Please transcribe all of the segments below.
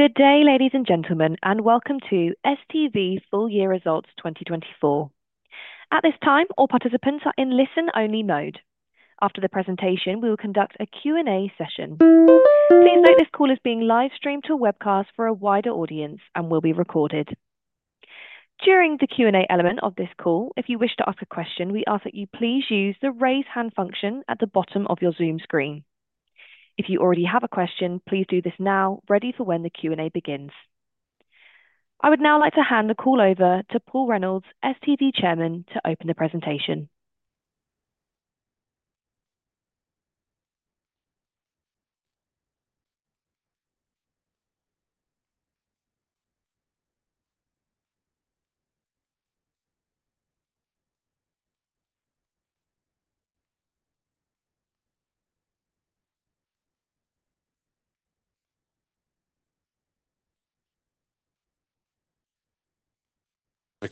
Good day, ladies and gentlemen, and welcome to STV's full year results 2024. At this time, all participants are in listen-only mode. After the presentation, we will conduct a Q&A session. Please note this call is being live-streamed to a webcast for a wider audience and will be recorded. During the Q&A element of this call, if you wish to ask a question, we ask that you please use the raise hand function at the bottom of your Zoom screen. If you already have a question, please do this now, ready for when the Q&A begins. I would now like to hand the call over to Paul Reynolds, STV Chairman, to open the presentation.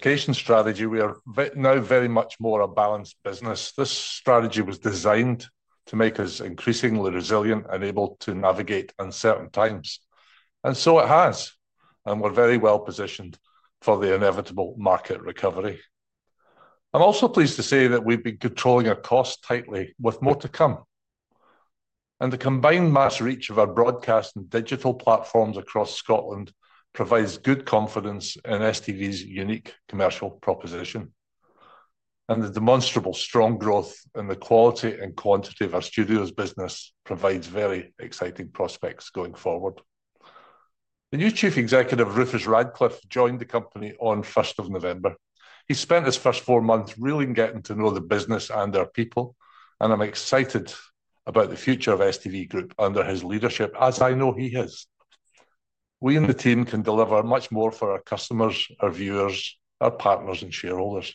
Business strategy, we are now very much more a balanced business. This strategy was designed to make us increasingly resilient and able to navigate uncertain times. It has, and we're very well positioned for the inevitable market recovery. I'm also pleased to say that we've been controlling our costs tightly, with more to come. The combined mass reach of our broadcast and digital platforms across Scotland provides good confidence in STV's unique commercial proposition. The demonstrable strong growth in the quality and quantity of our studios business provides very exciting prospects going forward. The new Chief Executive, Rufus Radcliffe, joined the company on 1 November. He spent his first four months really getting to know the business and our people, and I'm excited about the future of STV Group under his leadership, as I know he is. We and the team can deliver much more for our customers, our viewers, our partners, and shareholders.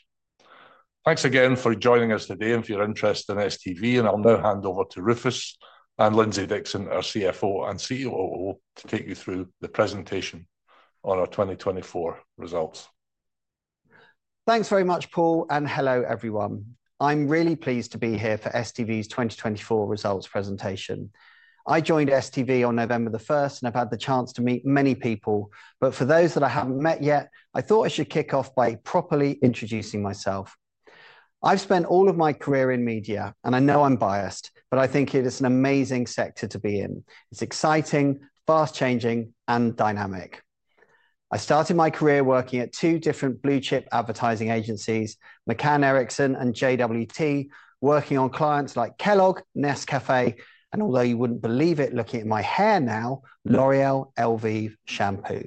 Thanks again for joining us today and for your interest in STV, and I'll now hand over to Rufus and Lindsay Dixon, our CFO and COO, to take you through the presentation on our 2024 results. Thanks very much, Paul, and hello everyone. I'm really pleased to be here for STV's 2024 results presentation. I joined STV on 1 November and have had the chance to meet many people, but for those that I haven't met yet, I thought I should kick off by properly introducing myself. I've spent all of my career in media, and I know I'm biased, but I think it is an amazing sector to be in. It's exciting, fast-changing, and dynamic. I started my career working at two different blue-chip advertising agencies, McCann Erickson and JWT, working on clients like Kellogg, Nescafé, and although you wouldn't believe it looking at my hair now, L'Oréal Elvive Shampoo.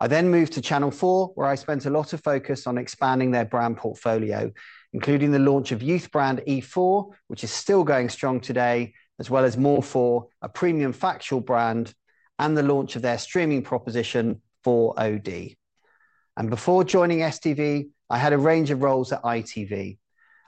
I then moved to Channel 4, where I spent a lot of focus on expanding their brand portfolio, including the launch of youth brand E4, which is still going strong today, as well as More4, a premium factual brand, and the launch of their streaming proposition, 4oD. Before joining STV, I had a range of roles at ITV.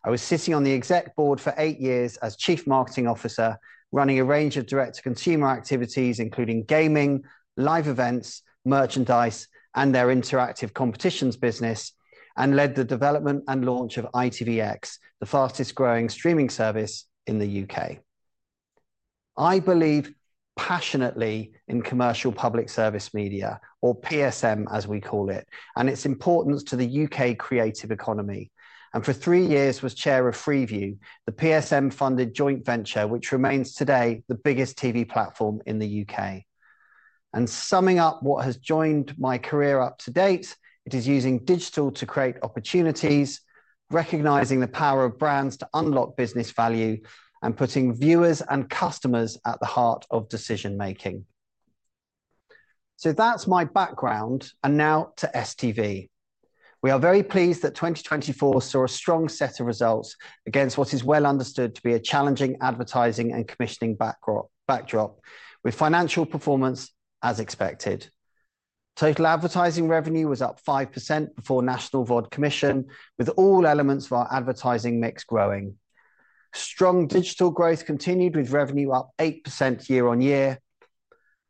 I was sitting on the exec board for eight years as Chief Marketing Officer, running a range of direct-to-consumer activities, including gaming, live events, merchandise, and their interactive competitions business, and led the development and launch of ITVX, the fastest-growing streaming service in the UK. I believe passionately in commercial Public Service Media, or PSM as we call it, and its importance to the UK creative economy. For three years I was chair of Freeview, the PSM-funded joint venture, which remains today the biggest TV platform in the UK. Summing up what has joined my career up to date, it is using digital to create opportunities, recognizing the power of brands to unlock business value, and putting viewers and customers at the heart of decision-making. That is my background, and now to STV. We are very pleased that 2024 saw a strong set of results against what is well understood to be a challenging advertising and commissioning backdrop, with financial performance as expected. Total advertising revenue was up 5% before National VOD Commission, with all elements of our advertising mix growing. Strong digital growth continued with revenue up 8% year-on-year.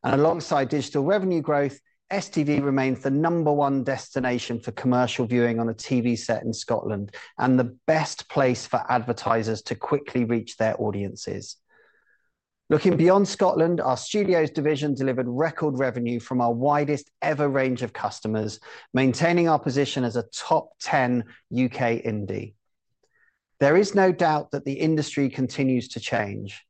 Alongside digital revenue growth, STV remains the number one destination for commercial viewing on a TV set in Scotland, and the best place for advertisers to quickly reach their audiences. Looking beyond Scotland, our studios division delivered record revenue from our widest-ever range of customers, maintaining our position as a top 10 UK Indie. There is no doubt that the industry continues to change.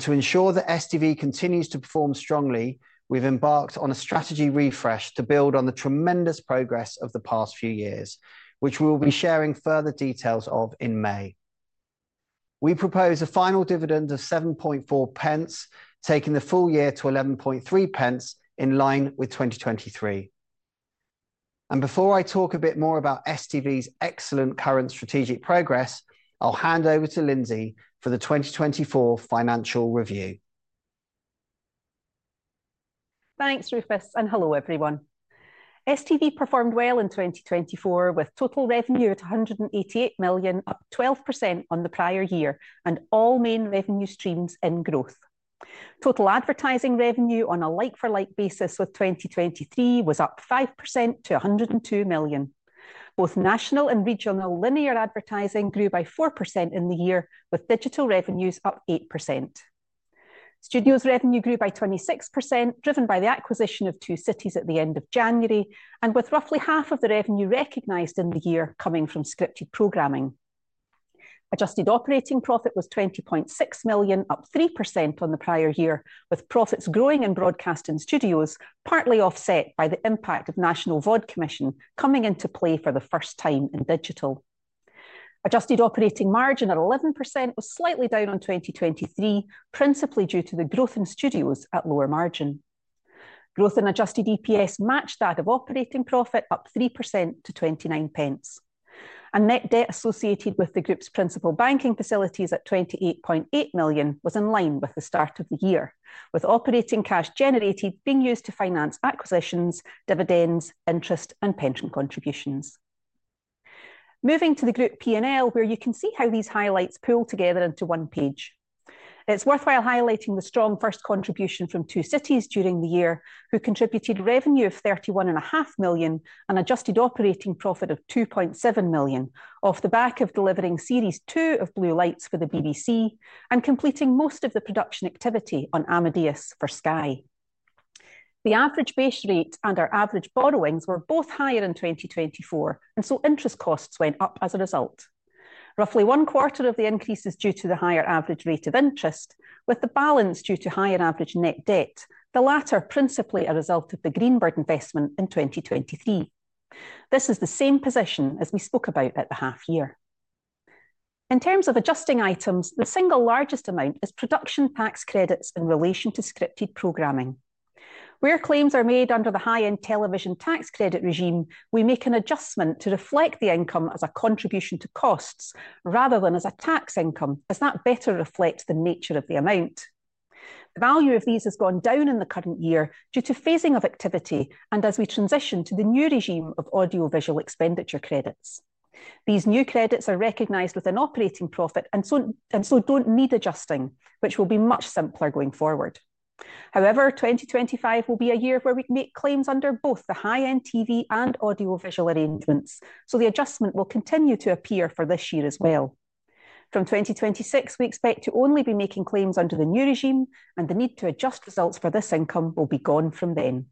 To ensure that STV continues to perform strongly, we've embarked on a strategy refresh to build on the tremendous progress of the past few years, which we will be sharing further details of in May. We propose a final dividend of 0.074, taking the full year to 0.113 in line with 2023. Before I talk a bit more about STV's excellent current strategic progress, I'll hand over to Lindsay for the 2024 Financial Review. Thanks, Rufus, and hello everyone. STV performed well in 2024 with total revenue at 188 million, up 12% on the prior year, and all main revenue streams in growth. Total advertising revenue on a like-for-like basis with 2023 was up 5% to 102 million. Both national and regional linear advertising grew by 4% in the year, with digital revenues up 8%. Studios revenue grew by 26%, driven by the acquisition of Two Cities at the end of January, and with roughly half of the revenue recognized in the year coming from scripted programming. Adjusted operating profit was 20.6 million, up 3% on the prior year, with profits growing in broadcast and studios, partly offset by the impact of National VOD Commission coming into play for the first time in digital. Adjusted operating margin at 11% was slightly down on 2023, principally due to the growth in studios at lower margin. Growth in adjusted EPS matched that of operating profit, up 3% to 0.29. Net debt associated with the group's principal banking facilities at 28.8 million was in line with the start of the year, with operating cash generated being used to finance acquisitions, dividends, interest, and pension contributions. Moving to the group P&L, where you can see how these highlights pool together into one page. It is worthwhile highlighting the strong first contribution from Two Cities during the year, who contributed revenue of 31.5 million and adjusted operating profit of 2.7 million, off the back of delivering series two of Blue Lights for the BBC and completing most of the production activity on Amadeus for Sky. The average base rate and our average borrowings were both higher in 2024, and interest costs went up as a result. Roughly one quarter of the increase is due to the higher average rate of interest, with the balance due to higher average net debt, the latter principally a result of the Greenbird investment in 2023. This is the same position as we spoke about at the half year. In terms of adjusting items, the single largest amount is production tax credits in relation to scripted programming. Where claims are made under the high-end television tax credit regime, we make an adjustment to reflect the income as a contribution to costs rather than as a tax income, as that better reflects the nature of the amount. The value of these has gone down in the current year due to phasing of activity and as we transition to the new regime of audiovisual expenditure credits. These new credits are recognized with an operating profit and so do not need adjusting, which will be much simpler going forward. However, 2025 will be a year where we can make claims under both the high-end TV and audiovisual arrangements, so the adjustment will continue to appear for this year as well. From 2026, we expect to only be making claims under the new regime, and the need to adjust results for this income will be gone from then.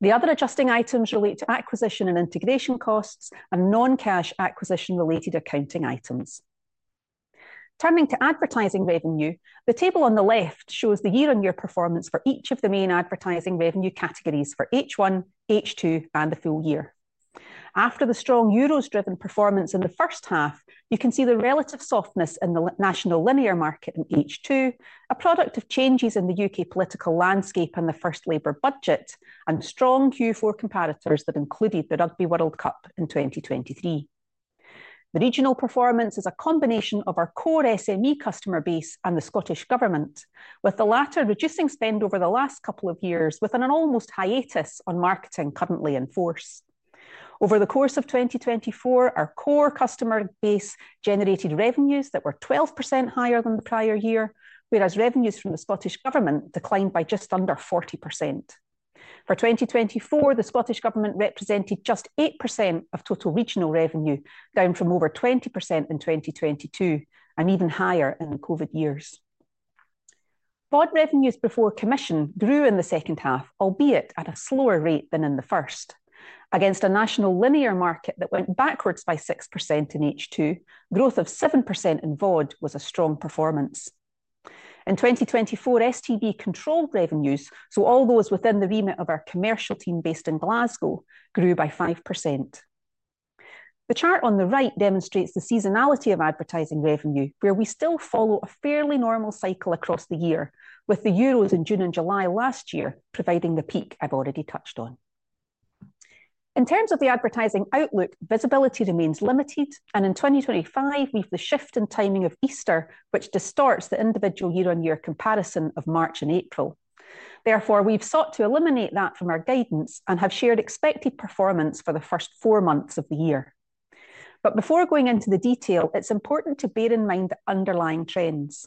The other adjusting items relate to acquisition and integration costs and non-cash acquisition-related accounting items. Turning to advertising revenue, the table on the left year-on-year performance for each of the main advertising revenue categories for H1, H2, and the full year. After the strong Euros-driven performance in the first half, you can see the relative softness in the national linear market in H2, a product of changes in the UK political landscape and the first Labour budget, and strong Q4 comparators that included the Rugby World Cup in 2023. The regional performance is a combination of our core SME customer base and the Scottish Government, with the latter reducing spend over the last couple of years, with an almost hiatus on marketing currently in force. Over the course of 2024, our core customer base generated revenues that were 12% higher than the prior year, whereas revenues from the Scottish Government declined by just under 40%. For 2024, the Scottish Government represented just 8% of total regional revenue, down from over 20% in 2022 and even higher in the COVID years. VOD revenues before commission grew in the second half, albeit at a slower rate than in the first. Against a national linear market that went backwards by 6% in H2, growth of 7% in VOD was a strong performance. In 2024, STV controlled revenues, so all those within the remit of our commercial team based in Glasgow, grew by 5%. The chart on the right demonstrates the seasonality of advertising revenue, where we still follow a fairly normal cycle across the year, with the Euros in June and July last year providing the peak I've already touched on. In terms of the advertising outlook, visibility remains limited, and in 2025, we've the shift in timing of Easter, which distorts the individual year-on-year comparison of March and April. Therefore, we've sought to eliminate that from our guidance and have shared expected performance for the first four months of the year. Before going into the detail, it's important to bear in mind the underlying trends.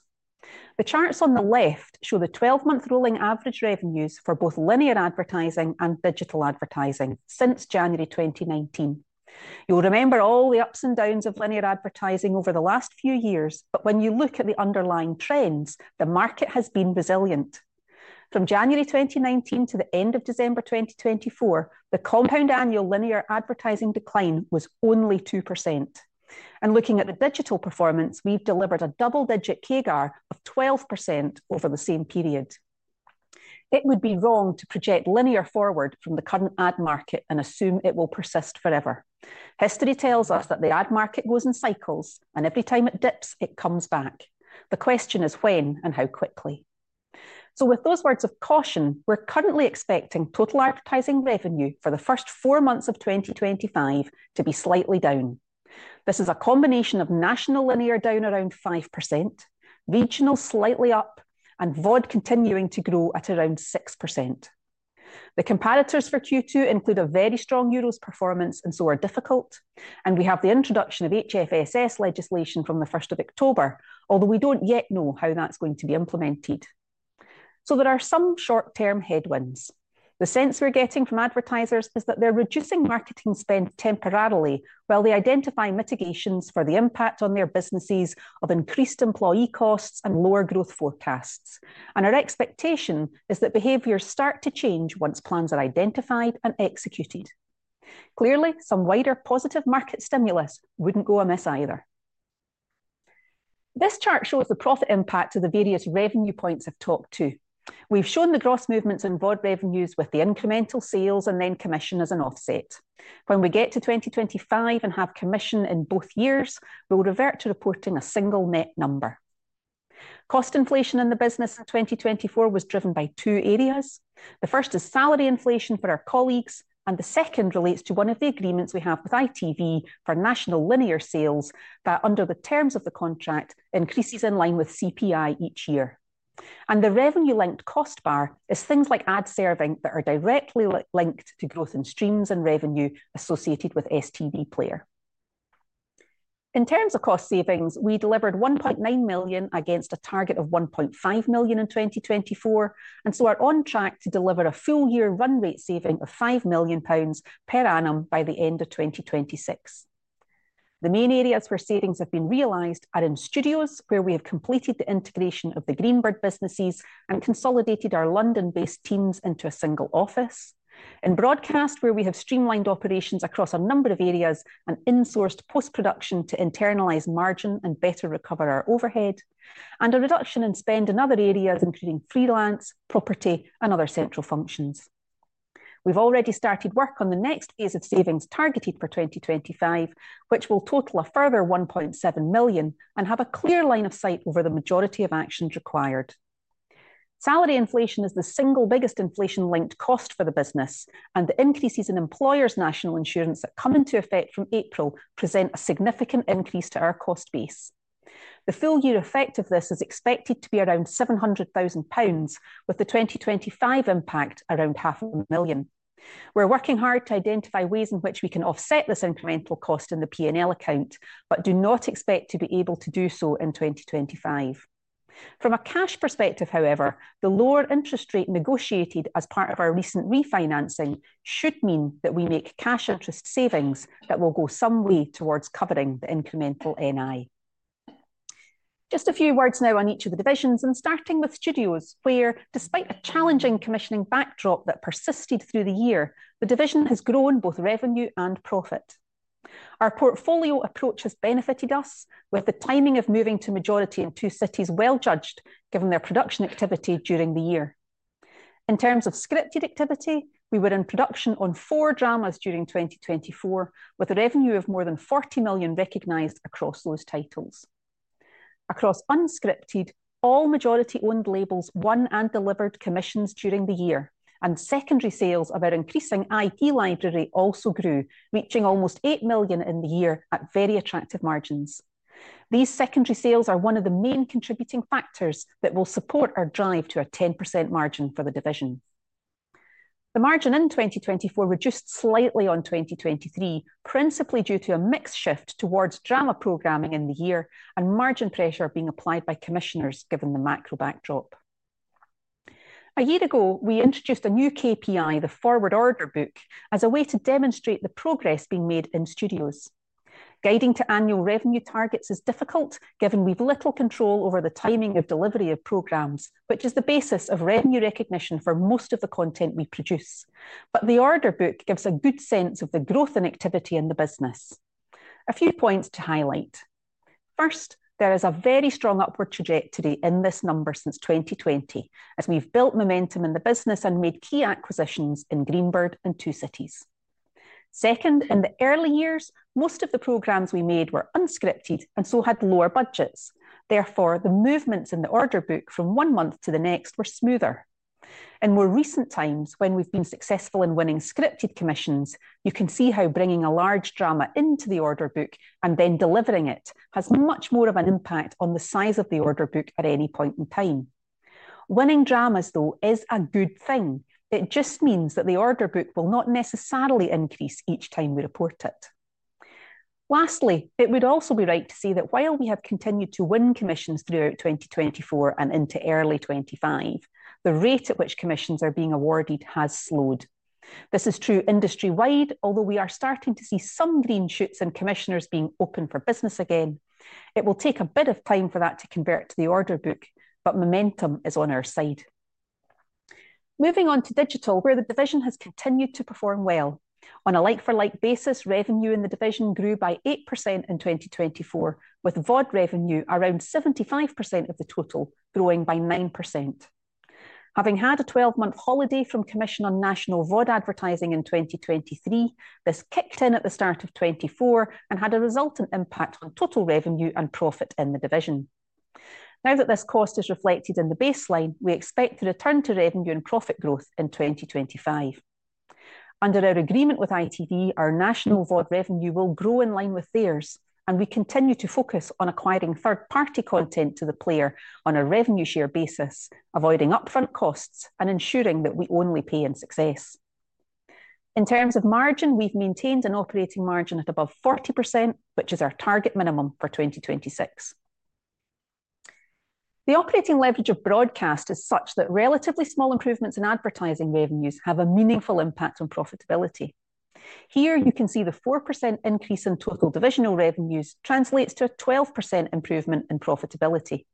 The charts on the left show the 12-month rolling average revenues for both linear advertising and digital advertising since January 2019. You'll remember all the ups and downs of linear advertising over the last few years, but when you look at the underlying trends, the market has been resilient. From January 2019 to the end of December 2024, the compound annual linear advertising decline was only 2%. Looking at the digital performance, we've delivered a double-digit CAR of 12% over the same period. It would be wrong to project linear forward from the current ad market and assume it will persist forever. History tells us that the ad market goes in cycles, and every time it dips, it comes back. The question is when and how quickly. With those words of caution, we're currently expecting total advertising revenue for the first four months of 2025 to be slightly down. This is a combination of national linear down around 5%, regional slightly up, and VOD continuing to grow at around 6%. The comparators for Q2 include a very strong Euros performance and so are difficult, and we have the introduction of HFSS legislation from the 1st of October, although we don't yet know how that's going to be implemented. There are some short-term headwinds. The sense we're getting from advertisers is that they're reducing marketing spend temporarily while they identify mitigations for the impact on their businesses of increased employee costs and lower growth forecasts. Our expectation is that behaviors start to change once plans are identified and executed. Clearly, some wider positive market stimulus wouldn't go amiss either. This chart shows the profit impact of the various revenue points I've talked to. We've shown the gross movements in VOD revenues with the incremental sales and then commission as an offset. When we get to 2025 and have commission in both years, we'll revert to reporting a single net number. Cost inflation in the business in 2024 was driven by two areas. The first is salary inflation for our colleagues, and the second relates to one of the agreements we have with ITV for national linear sales that, under the terms of the contract, increases in line with CPI each year. The revenue-linked cost bar is things like ad serving that are directly linked to growth in streams and revenue associated with STV Player. In terms of cost savings, we delivered 1.9 million against a target of 1.5 million in 2024, and are on track to deliver a full-year run rate saving of 5 million pounds per annum by the end of 2026. The main areas where savings have been realized are in studios, where we have completed the integration of the Greenbird businesses and consolidated our London-based teams into a single office. In broadcast, we have streamlined operations across a number of areas and insourced post-production to internalize margin and better recover our overhead, and a reduction in spend in other areas, including freelance, property, and other central functions. We have already started work on the next phase of savings targeted for 2025, which will total a further 1.7 million and have a clear line of sight over the majority of actions required. Salary inflation is the single biggest inflation-linked cost for the business, and the increases in employers' National Insurance that come into effect from April present a significant increase to our cost base. The full-year effect of this is expected to be around 700,000 pounds, with the 2025 impact around 500,000. We're working hard to identify ways in which we can offset this incremental cost in the P&L account, but do not expect to be able to do so in 2025. From a cash perspective, however, the lower interest rate negotiated as part of our recent refinancing should mean that we make cash interest savings that will go some way towards covering the incremental NI. Just a few words now on each of the divisions, and starting with studios, where, despite a challenging commissioning backdrop that persisted through the year, the division has grown both revenue and profit. Our portfolio approach has benefited us, with the timing of moving to majority in Two Cities well judged, given their production activity during the year. In terms of scripted activity, we were in production on four dramas during 2024, with a revenue of more than 40 million recognized across those titles. Across unscripted, all majority-owned labels won and delivered commissions during the year, and secondary sales of our increasing IP library also grew, reaching almost 8 million in the year at very attractive margins. These secondary sales are one of the main contributing factors that will support our drive to a 10% margin for the division. The margin in 2024 reduced slightly on 2023, principally due to a mix shift towards drama programming in the year and margin pressure being applied by commissioners, given the macro backdrop. A year ago, we introduced a new KPI, the forward order book, as a way to demonstrate the progress being made in studios. Guiding to annual revenue targets is difficult, given we've little control over the timing of delivery of programs, which is the basis of revenue recognition for most of the content we produce. The order book gives a good sense of the growth and activity in the business. A few points to highlight. First, there is a very strong upward trajectory in this number since 2020, as we've built momentum in the business and made key acquisitions in Greenbird and Two Cities. Second, in the early years, most of the programs we made were unscripted and so had lower budgets. Therefore, the movements in the order book from one month to the next were smoother. In more recent times, when we've been successful in winning scripted commissions, you can see how bringing a large drama into the order book and then delivering it has much more of an impact on the size of the order book at any point in time. Winning dramas, though, is a good thing. It just means that the order book will not necessarily increase each time we report it. Lastly, it would also be right to say that while we have continued to win commissions throughout 2024 and into early 2025, the rate at which commissions are being awarded has slowed. This is true industry-wide, although we are starting to see some green shoots and commissioners being open for business again. It will take a bit of time for that to convert to the order book, but momentum is on our side. Moving on to digital, where the division has continued to perform well. On a like-for-like basis, revenue in the division grew by 8% in 2024, with VOD revenue around 75% of the total, growing by 9%. Having had a 12-month holiday from commission on national VOD advertising in 2023, this kicked in at the start of 2024 and had a resultant impact on total revenue and profit in the division. Now that this cost is reflected in the baseline, we expect to return to revenue and profit growth in 2025. Under our agreement with ITV, our national VOD revenue will grow in line with theirs, and we continue to focus on acquiring third-party content to the player on a revenue share basis, avoiding upfront costs and ensuring that we only pay in success. In terms of margin, we've maintained an operating margin at above 40%, which is our target minimum for 2026. The operating leverage of broadcast is such that relatively small improvements in advertising revenues have a meaningful impact on profitability. Here, you can see the 4% increase in total divisional revenues translates to a 12% improvement in profitability.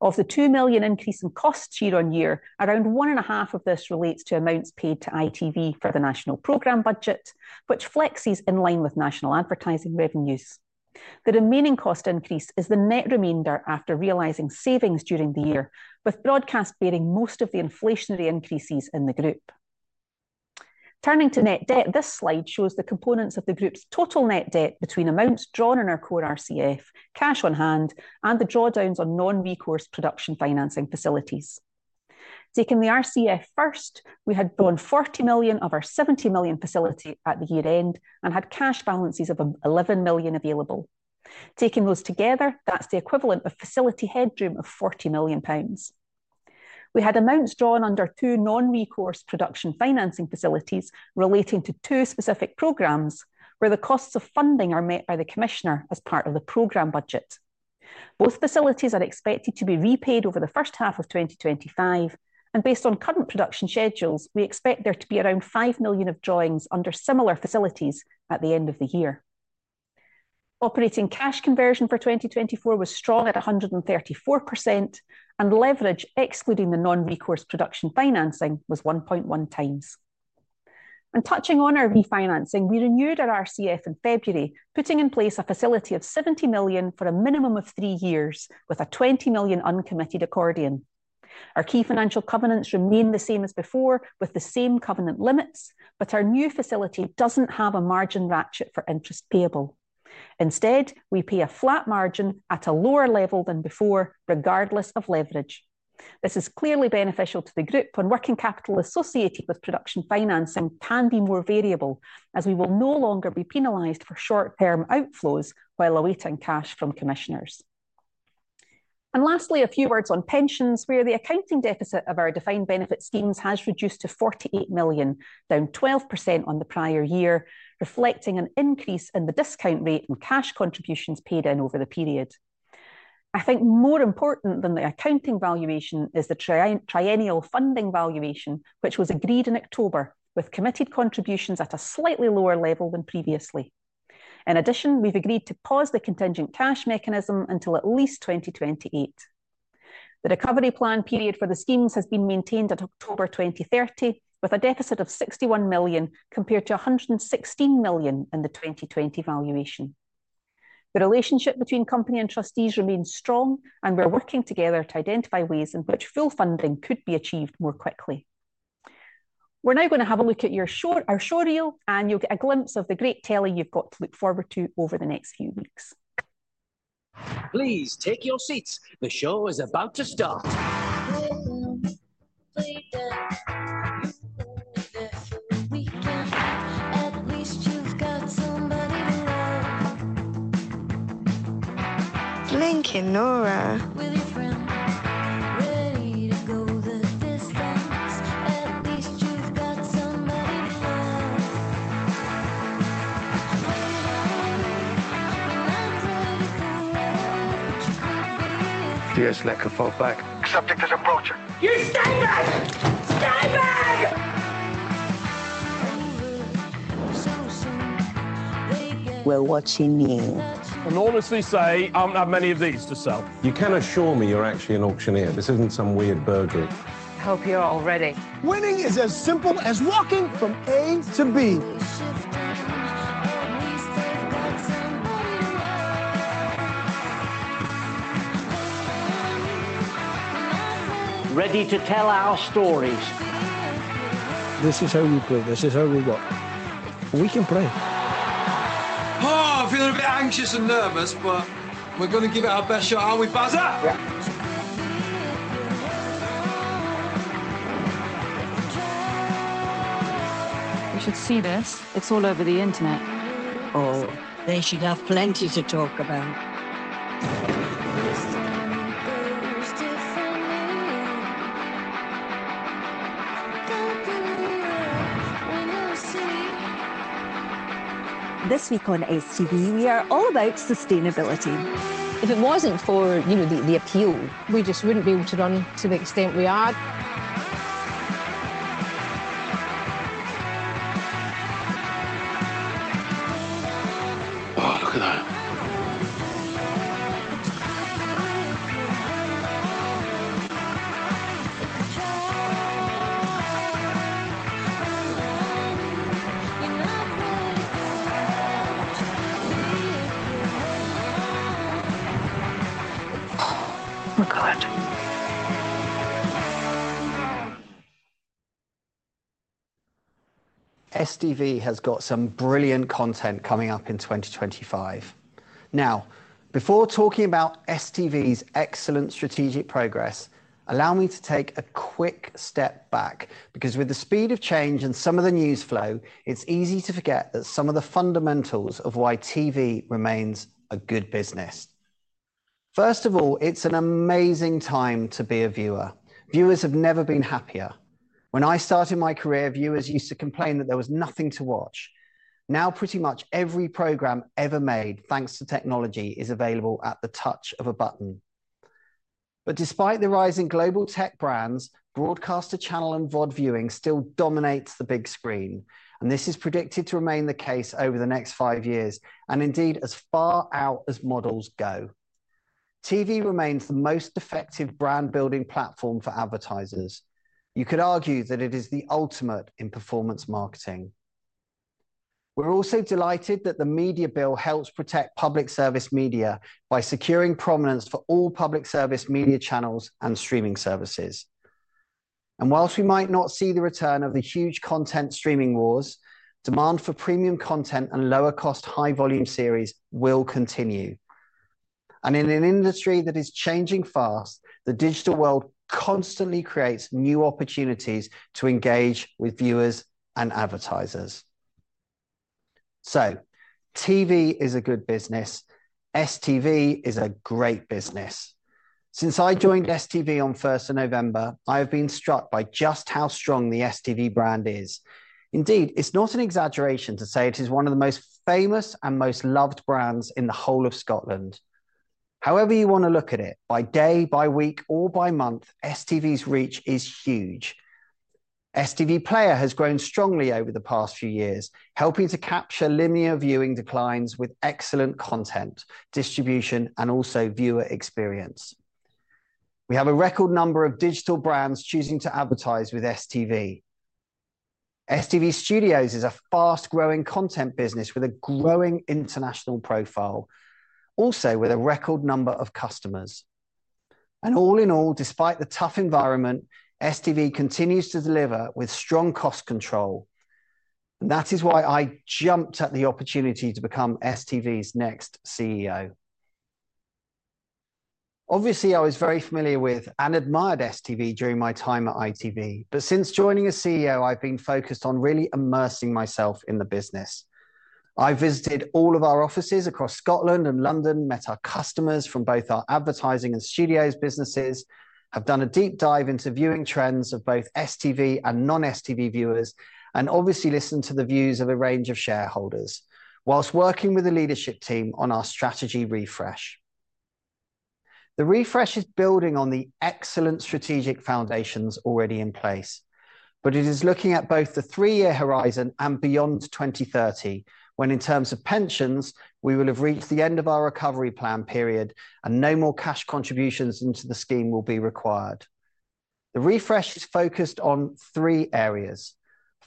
Of the 2 million increase in costs year-on-year, around 1.5 million of this relates to amounts paid to ITV for the national program budget, which flexes in line with national advertising revenues. The remaining cost increase is the net remainder after realizing savings during the year, with broadcast bearing most of the inflationary increases in the group. Turning to net debt, this slide shows the components of the group's total net debt between amounts drawn on our core RCF, cash on hand, and the drawdowns on non-recourse production financing facilities. Taking the RCF first, we had drawn 40 million of our 70 million facility at the year end and had cash balances of 11 million available. Taking those together, that's the equivalent of facility headroom of 40 million pounds. We had amounts drawn under two non-recourse production financing facilities relating to two specific programs where the costs of funding are met by the commissioner as part of the program budget. Both facilities are expected to be repaid over the first half of 2025, and based on current production schedules, we expect there to be around 5 million of drawings under similar facilities at the end of the year. Operating cash conversion for 2024 was strong at 134%, and leverage, excluding the non-recourse production financing, was 1.1 times. Touching on our refinancing, we renewed our RCF in February, putting in place a facility of 70 million for a minimum of three years with a 20 million uncommitted accordion. Our key financial covenants remain the same as before, with the same covenant limits, but our new facility does not have a margin ratchet for interest payable. Instead, we pay a flat margin at a lower level than before, regardless of leverage. This is clearly beneficial to the group when working capital associated with production financing can be more variable, as we will no longer be penalized for short-term outflows while awaiting cash from commissioners. Lastly, a few words on pensions, where the accounting deficit of our defined benefit schemes has reduced to 48 million, down 12% on the prior year, reflecting an increase in the discount rate and cash contributions paid in over the period. I think more important than the accounting valuation is the triennial funding valuation, which was agreed in October, with committed contributions at a slightly lower level than previously. In addition, we have agreed to pause the contingent cash mechanism until at least 2028. The recovery plan period for the schemes has been maintained at October 2030, with a deficit of 61 million compared to 116 million in the 2020 valuation. The relationship between company and trustees remains strong, and we are working together to identify ways in which full funding could be achieved more quickly. We're now going to have a look at our short reel, and you'll get a glimpse of the great telly you've got to look forward to over the next few weeks. Please take your seats. The show is about to start. Linking Nora with your friend, ready to go the distance. At least you've got somebody to have. Ready to go, and I'm ready for what you could be. Dearest Lecca Falkback, accepting this approach. You stay back! Stay back! Over so soon, they get... We're watching you. And honestly say, I've many of these to sell. You can assure me you're actually an auctioneer. This isn't some weird burgery. I hope you're all ready. Winning is as simple as walking from A to B. We're shifting, and we still got somebody to love. Ready to tell our stories. This is how we do it. This is how we go. We can play. Oh, I'm feeling a bit anxious and nervous, but we're going to give it our best shot, aren't we, Bazza? Yeah. We should see this. It's all over the internet. Oh, they should have plenty to talk about. This time it goes differently. Don't be weary when you're asleep. This week on STV, we are all about sustainability. If it wasn't for, you know, the appeal, we just wouldn't be able to run to the extent we are. Oh, look at that. Look at that. STV has got some brilliant content coming up in 2025. Now, before talking about STV's excellent strategic progress, allow me to take a quick step back, because with the speed of change and some of the news flow, it's easy to forget that some of the fundamentals of why TV remains a good business. First of all, it's an amazing time to be a viewer. Viewers have never been happier. When I started my career, viewers used to complain that there was nothing to watch. Now, pretty much every program ever made, thanks to technology, is available at the touch of a button. Despite the rise in global tech brands, broadcaster channel and VOD viewing still dominates the big screen, and this is predicted to remain the case over the next five years, and indeed as far out as models go. TV remains the most effective brand-building platform for advertisers. You could argue that it is the ultimate in performance marketing. We're also delighted that the Media Bill helps protect public service media by securing prominence for all public service media channels and streaming services. Whilst we might not see the return of the huge content streaming wars, demand for premium content and lower-cost high-volume series will continue. In an industry that is changing fast, the digital world constantly creates new opportunities to engage with viewers and advertisers. TV is a good business. STV is a great business. Since I joined STV on 1 November, I have been struck by just how strong the STV brand is. Indeed, it's not an exaggeration to say it is one of the most famous and most loved brands in the whole of Scotland. However you want to look at it, by day, by week, or by month, STV's reach is huge. STV Player has grown strongly over the past few years, helping to capture linear viewing declines with excellent content, distribution, and also viewer experience. We have a record number of digital brands choosing to advertise with STV. STV Studios is a fast-growing content business with a growing international profile, also with a record number of customers. All in all, despite the tough environment, STV continues to deliver with strong cost control. That is why I jumped at the opportunity to become STV's next CEO. Obviously, I was very familiar with and admired STV during my time at ITV, but since joining as CEO, I've been focused on really immersing myself in the business. I've visited all of our offices across Scotland and London, met our customers from both our advertising and studios businesses, have done a deep dive into viewing trends of both STV and non-STV viewers, and obviously listened to the views of a range of shareholders whilst working with the leadership team on our strategy refresh. The refresh is building on the excellent strategic foundations already in place, but it is looking at both the three-year horizon and beyond 2030, when in terms of pensions, we will have reached the end of our recovery plan period and no more cash contributions into the scheme will be required. The refresh is focused on three areas.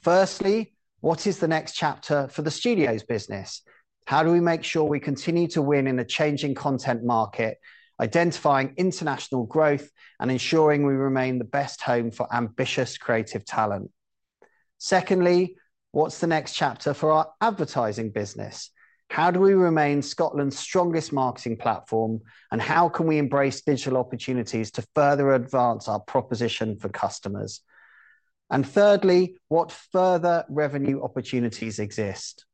Firstly, what is the next chapter for the studios business? How do we make sure we continue to win in a changing content market, identifying international growth and ensuring we remain the best home for ambitious creative talent? Secondly, what is the next chapter for our advertising business? How do we remain Scotland's strongest marketing platform and how can we embrace digital opportunities to further advance our proposition for customers? Thirdly, what further revenue opportunities exist?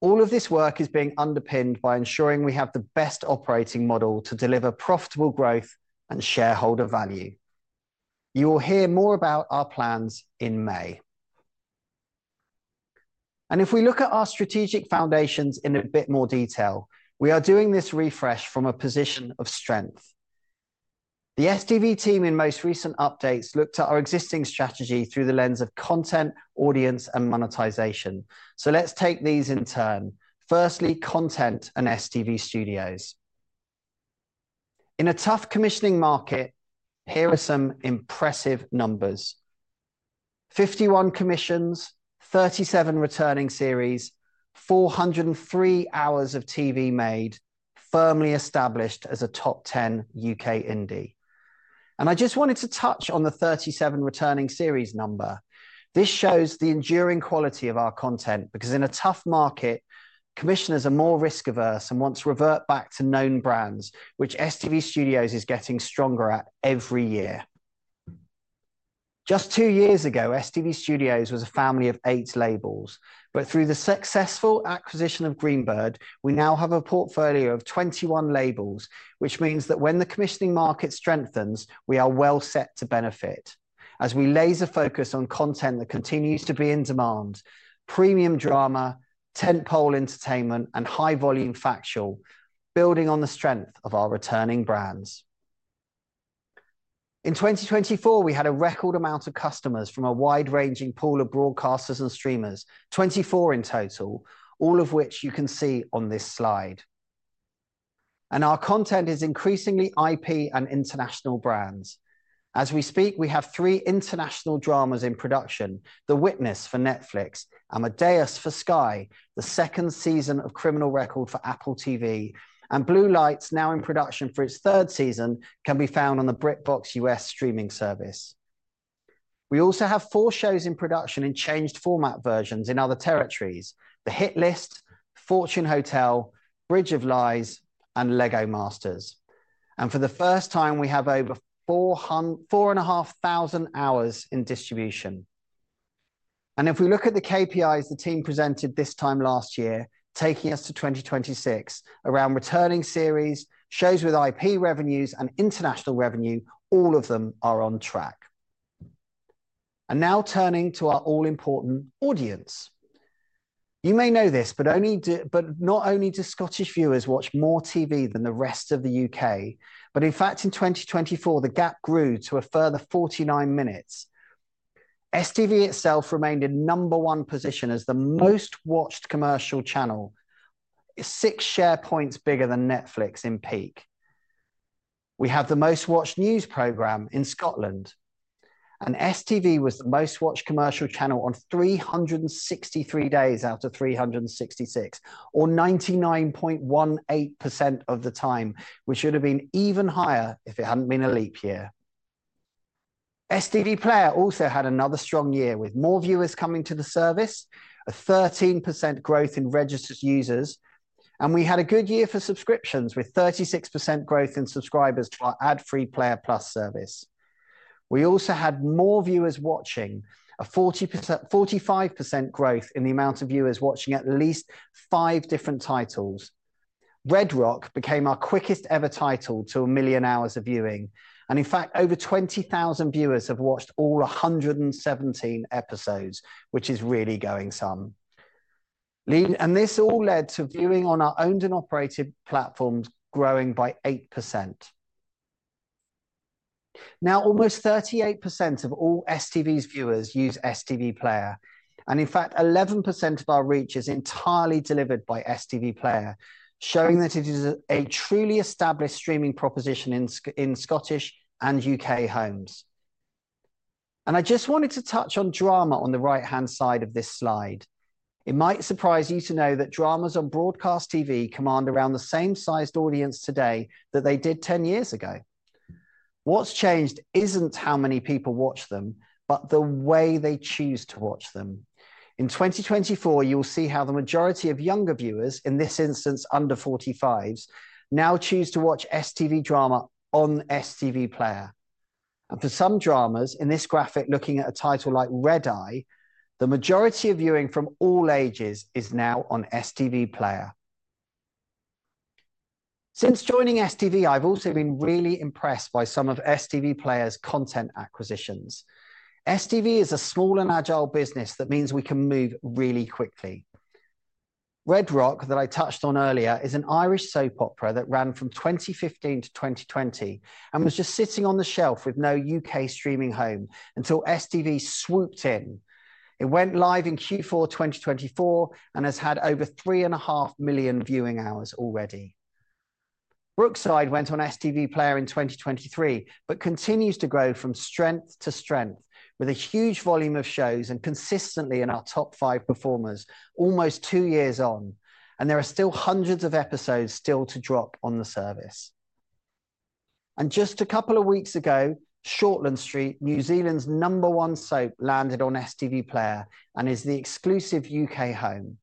All of this work is being underpinned by ensuring we have the best operating model to deliver profitable growth and shareholder value. You will hear more about our plans in May. If we look at our strategic foundations in a bit more detail, we are doing this refresh from a position of strength. The STV team in most recent updates looked at our existing strategy through the lens of content, audience, and monetization. Let's take these in turn. Firstly, content and STV Studios. In a tough commissioning market, here are some impressive numbers: fifty-one commissions, thirty-seven returning series, 403 hours of TV made, firmly established as a top 10 UK Indie. I just wanted to touch on the thirty-seven returning series number. This shows the enduring quality of our content because in a tough market, commissioners are more risk-averse and want to revert back to known brands, which STV Studios is getting stronger at every year. Just two years ago, STV Studios was a family of eight labels, but through the successful acquisition of Greenbird, we now have a portfolio of twenty-one labels, which means that when the commissioning market strengthens, we are well set to benefit as we laser focus on content that continues to be in demand: premium drama, tentpole entertainment, and high-volume factual, building on the strength of our returning brands. In 2024, we had a record amount of customers from a wide-ranging pool of broadcasters and streamers, twenty-four in total, all of which you can see on this slide. Our content is increasingly IP and international brands. As we speak, we have three international dramas in production: The Witness for Netflix, Amadeus for Sky, the second season of Criminal Record for Apple TV, and Blue Lights, now in production for its third season, can be found on the BritBox US streaming service. We also have four shows in production in changed format versions in other territories: The Hit List, Fortune Hotel, Bridge of Lies, and Lego Masters. For the first time, we have over 4,500 hours in distribution. If we look at the KPIs the team presented this time last year, taking us to 2026, around returning series, shows with IP revenues, and international revenue, all of them are on track. Now turning to our all-important audience. You may know this, but not only do Scottish viewers watch more TV than the rest of the UK, but in fact, in 2024, the gap grew to a further 49 minutes. STV itself remained in number one position as the most watched commercial channel, six share points bigger than Netflix in peak. We have the most watched news program in Scotland, and STV was the most watched commercial channel on 363 days out of 366, or 99.18% of the time, which should have been even higher if it hadn't been a leap year. STV Player also had another strong year with more viewers coming to the service, a 13% growth in registered users, and we had a good year for subscriptions with 36% growth in subscribers to our ad-free Player+ service. We also had more viewers watching, a 45% growth in the amount of viewers watching at least five different titles. Red Rock became our quickest ever title to a million hours of viewing, and in fact, over 20,000 viewers have watched all one hundred seventeen episodes, which is really going some. This all led to viewing on our owned and operated platforms growing by 8%. Now, almost 38% of all STV's viewers use STV Player, and in fact, 11% of our reach is entirely delivered by STV Player, showing that it is a truly established streaming proposition in Scottish and UK homes. I just wanted to touch on drama on the right-hand side of this slide. It might surprise you to know that dramas on broadcast TV command around the same sized audience today that they did 10 years ago. What's changed isn't how many people watch them, but the way they choose to watch them. In 2024, you'll see how the majority of younger viewers, in this instance under 45s, now choose to watch STV drama on STV Player. For some dramas in this graphic, looking at a title like Red Eye, the majority of viewing from all ages is now on STV Player. Since joining STV, I've also been really impressed by some of STV Player's content acquisitions. STV is a small and agile business that means we can move really quickly. Red Rock, that I touched on earlier, is an Irish soap opera that ran from 2015 to 2020 and was just sitting on the shelf with no UK streaming home until STV swooped in. It went live in Q4 2024 and has had over 3.5 million viewing hours already. Brookside went on STV Player in 2023, but continues to grow from strength to strength with a huge volume of shows and consistently in our top five performers almost two years on, and there are still hundreds of episodes still to drop on the service. Just a couple of weeks ago, Shortland Street, New Zealand's number one soap, landed on STV Player and is the exclusive UK home.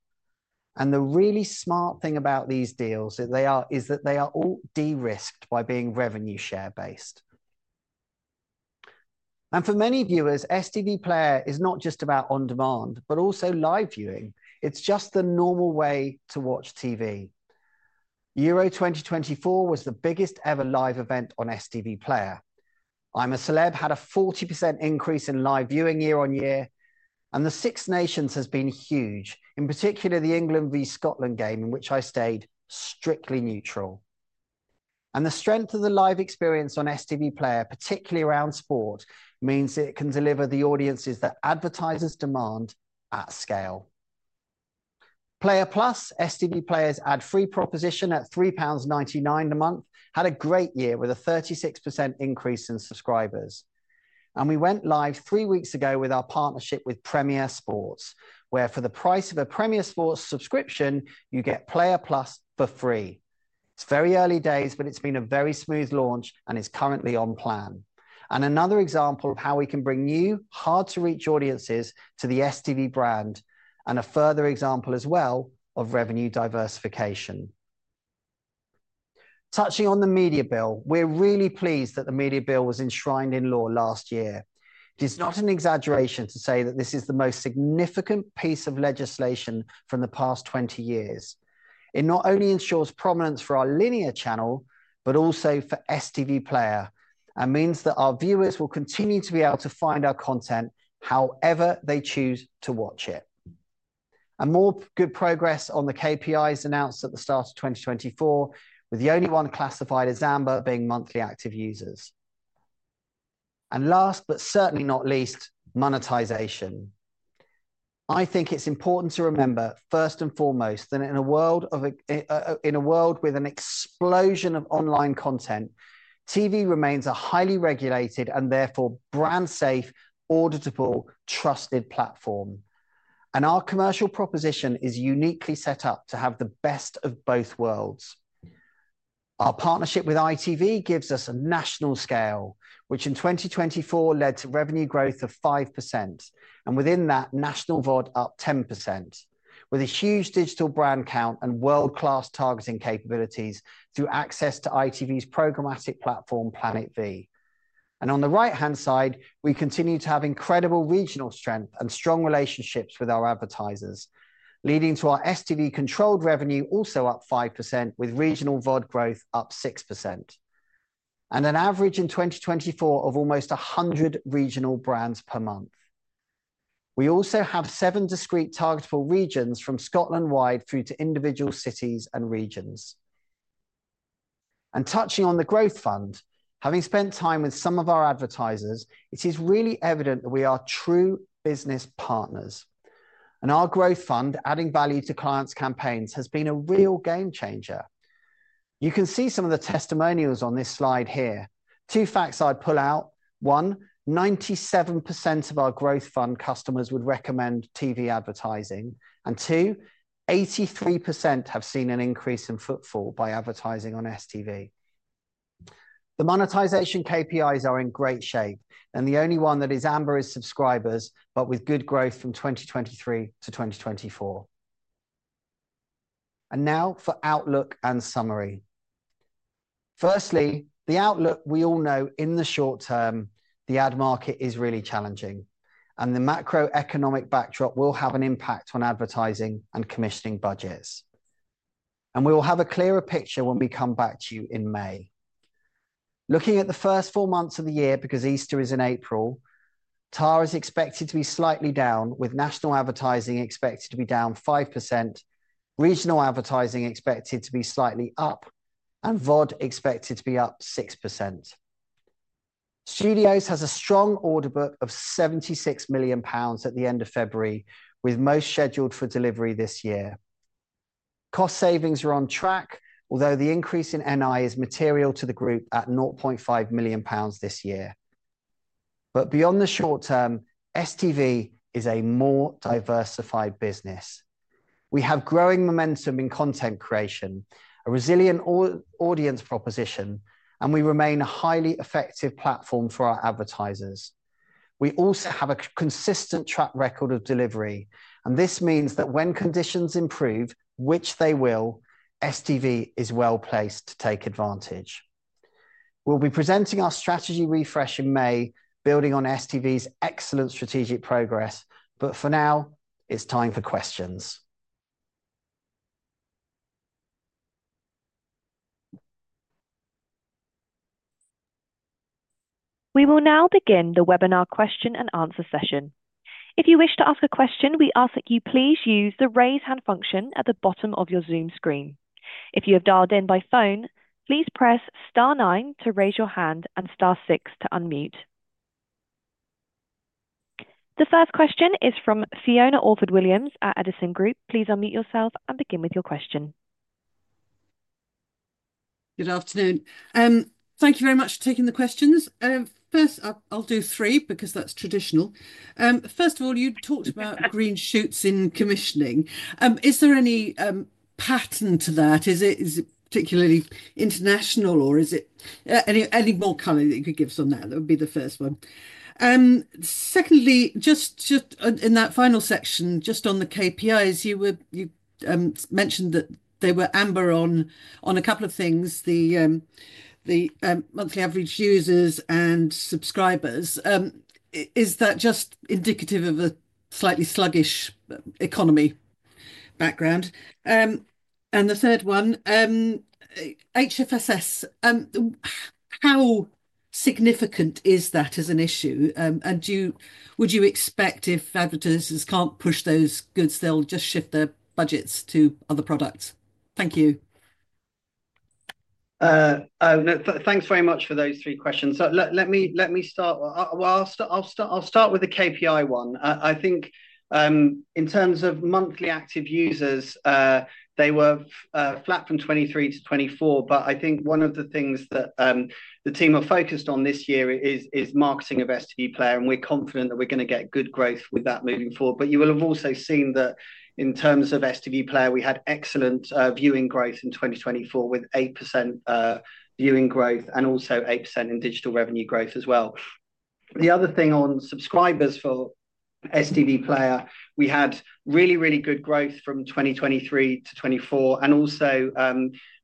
The really smart thing about these deals is that they are all de-risked by being revenue share-based. For many viewers, STV Player is not just about on demand, but also live viewing. It's just the normal way to watch TV. Euro 2024 was the biggest ever live event on STV Player. I'm a Celeb, had a 40% increase in live viewing year-on-year, and the Six Nations has been huge, in particular the England v Scotland game in which I stayed strictly neutral. The strength of the live experience on STV Player, particularly around sport, means that it can deliver the audiences that advertisers demand at scale. Player+, STV Player's ad-free proposition at 3.99 pounds a month, had a great year with a 36% increase in subscribers. We went live three weeks ago with our partnership with Premier Sports, where for the price of a Premier Sports subscription, you get Player+ for free. It's very early days, but it's been a very smooth launch and it's currently on plan. Another example of how we can bring new, hard-to-reach audiences to the STV brand and a further example as well of revenue diversification. Touching on the Media Bill, we're really pleased that the Media Bill was enshrined in law last year. It is not an exaggeration to say that this is the most significant piece of legislation from the past 20 years. It not only ensures prominence for our linear channel, but also for STV Player and means that our viewers will continue to be able to find our content however they choose to watch it. More good progress on the KPIs announced at the start of 2024, with the only one classified as amber being monthly active users. Last, but certainly not least, monetization. I think it's important to remember, first and foremost, that in a world with an explosion of online content, TV remains a highly regulated and therefore brand-safe, auditable, trusted platform. Our commercial proposition is uniquely set up to have the best of both worlds. Our partnership with ITV gives us a national scale, which in 2024 led to revenue growth of 5%, and within that, national VOD up 10%, with a huge digital brand count and world-class targeting capabilities through access to ITV's programmatic platform, Planet V. On the right-hand side, we continue to have incredible regional strength and strong relationships with our advertisers, leading to our STV controlled revenue also up 5%, with regional VOD growth up 6%, and an average in 2024 of almost 100 regional brands per month. We also have seven discrete targetable regions from Scotland-wide through to individual cities and regions. Touching on the growth fund, having spent time with some of our advertisers, it is really evident that we are true business partners. Our growth fund, adding value to clients' campaigns, has been a real game changer. You can see some of the testimonials on this slide here. Two facts I'd pull out. One, 97% of our growth fund customers would recommend TV advertising. Two, 83% have seen an increase in footfall by advertising on STV. The monetization KPIs are in great shape, and the only one that is amber is subscribers, but with good growth from 2023 to 2024. Now for outlook and summary. Firstly, the outlook we all know in the short term, the ad market is really challenging, and the macroeconomic backdrop will have an impact on advertising and commissioning budgets. We will have a clearer picture when we come back to you in May. Looking at the first four months of the year, because Easter is in April, TAR is expected to be slightly down, with national advertising expected to be down 5%, regional advertising expected to be slightly up, and VOD expected to be up 6%. Studios has a strong order book of 76 million pounds at the end of February, with most scheduled for delivery this year. Cost savings are on track, although the increase in NI is material to the group at 500,000 pounds this year. Beyond the short term, STV is a more diversified business. We have growing momentum in content creation, a resilient audience proposition, and we remain a highly effective platform for our advertisers. We also have a consistent track record of delivery, and this means that when conditions improve, which they will, STV is well placed to take advantage. We'll be presenting our strategy refresh in May, building on STV's excellent strategic progress, but for now, it's time for questions. We will now begin the webinar question and answer session. If you wish to ask a question, we ask that you please use the raise hand function at the bottom of your Zoom screen. If you have dialed in by phone, please press star nine to raise your hand and star six to unmute. The first question is from Fiona Orford-Williams at Edison Group. Please unmute yourself and begin with your question. Good afternoon. Thank you very much for taking the questions. First, I'll do three because that's traditional. First of all, you talked about green shoots in commissioning. Is there any pattern to that? Is it particularly international, or is it any more color that you could give us on that? That would be the first one. Secondly, just in that final section, just on the KPIs, you mentioned that they were amber on a couple of things, the monthly average users and subscribers. Is that just indicative of a slightly sluggish economy background? The third one, HFSS, how significant is that as an issue? Would you expect if advertisers can't push those goods, they'll just shift their budgets to other products? Thank you. Thanks very much for those three questions. Let me start. I'll start with the KPI one. I think in terms of monthly active users, they were flat from 2023 to 2024, but I think one of the things that the team are focused on this year is marketing of STV Player, and we're confident that we're going to get good growth with that moving forward. You will have also seen that in terms of STV Player, we had excellent viewing growth in 2024 with 8% viewing growth and also 8% in digital revenue growth as well. The other thing on subscribers for STV Player, we had really, really good growth from 2023 to 2024. Also,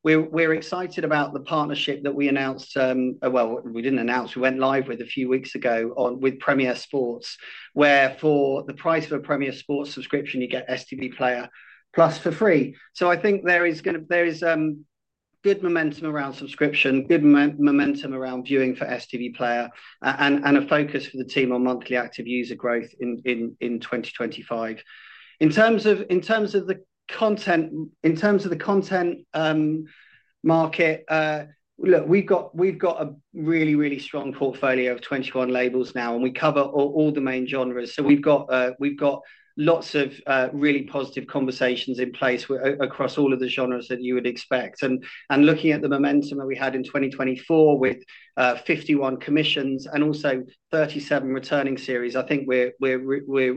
we're excited about the partnership that we went live with a few weeks ago with Premier Sports, where for the price of a Premier Sports subscription, you get STV Player+ for free. I think there is good momentum around subscription, good momentum around viewing for STV Player, and a focus for the team on monthly active user growth in 2025. In terms of the content market, look, we've got a really, really strong portfolio of twenty-one labels now, and we cover all the main genres. We have lots of really positive conversations in place across all of the genres that you would expect. Looking at the momentum that we had in 2024 with fifty-one commissions and also thirty-seven returning series, I think we are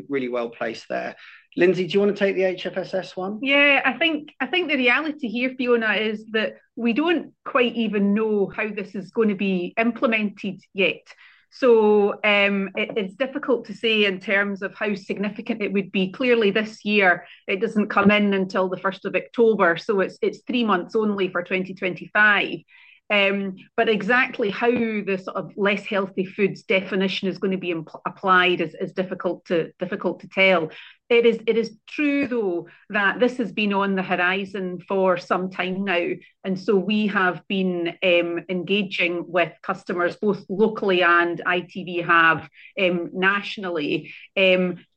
really well placed there. Lindsay, do you want to take the HFSS one? Yeah, I think the reality here, Fiona, is that we do not quite even know how this is going to be implemented yet. It is difficult to say in terms of how significant it would be. Clearly, this year, it does not come in until the 1 October, so it is three months only for 2025. Exactly how the sort of less healthy foods definition is going to be applied is difficult to tell. It is true, though, that this has been on the horizon for some time now, and we have been engaging with customers both locally and ITV have nationally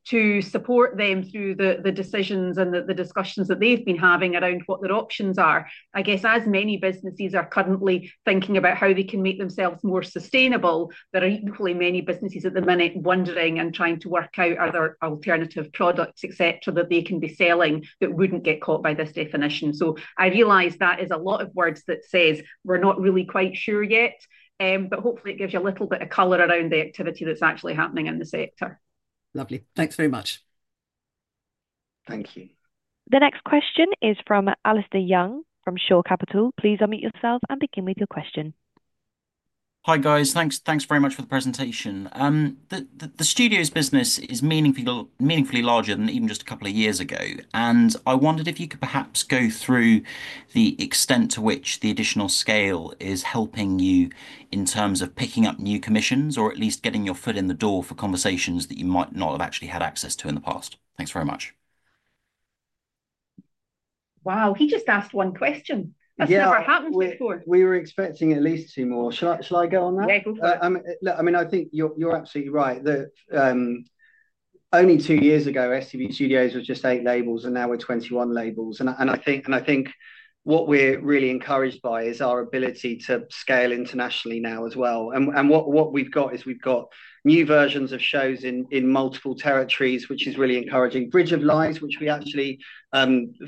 to support them through the decisions and the discussions that they've been having around what their options are. I guess as many businesses are currently thinking about how they can make themselves more sustainable, there are equally many businesses at the minute wondering and trying to work out other alternative products, etc., that they can be selling that would not get caught by this definition. I realize that is a lot of words that says we're not really quite sure yet, but hopefully it gives you a little bit of color around the activity that's actually happening in the sector. Lovely. Thanks very much. Thank you. The next question is from Alasdair Young from Shore Capital. Please unmute yourself and begin with your question. Hi guys, thanks very much for the presentation. The Studios business is meaningfully larger than even just a couple of years ago, and I wondered if you could perhaps go through the extent to which the additional scale is helping you in terms of picking up new commissions or at least getting your foot in the door for conversations that you might not have actually had access to in the past. Thanks very much. Wow, he just asked one question. That's never happened before. We were expecting at least two more. Shall I go on that? Yeah, go for it. I mean, I think you're absolutely right. Only two years ago, STV Studios was just eight labels, and now we're twenty-one labels. I think what we're really encouraged by is our ability to scale internationally now as well. What we've got is we've got new versions of shows in multiple territories, which is really encouraging. Bridge of Lies, which we actually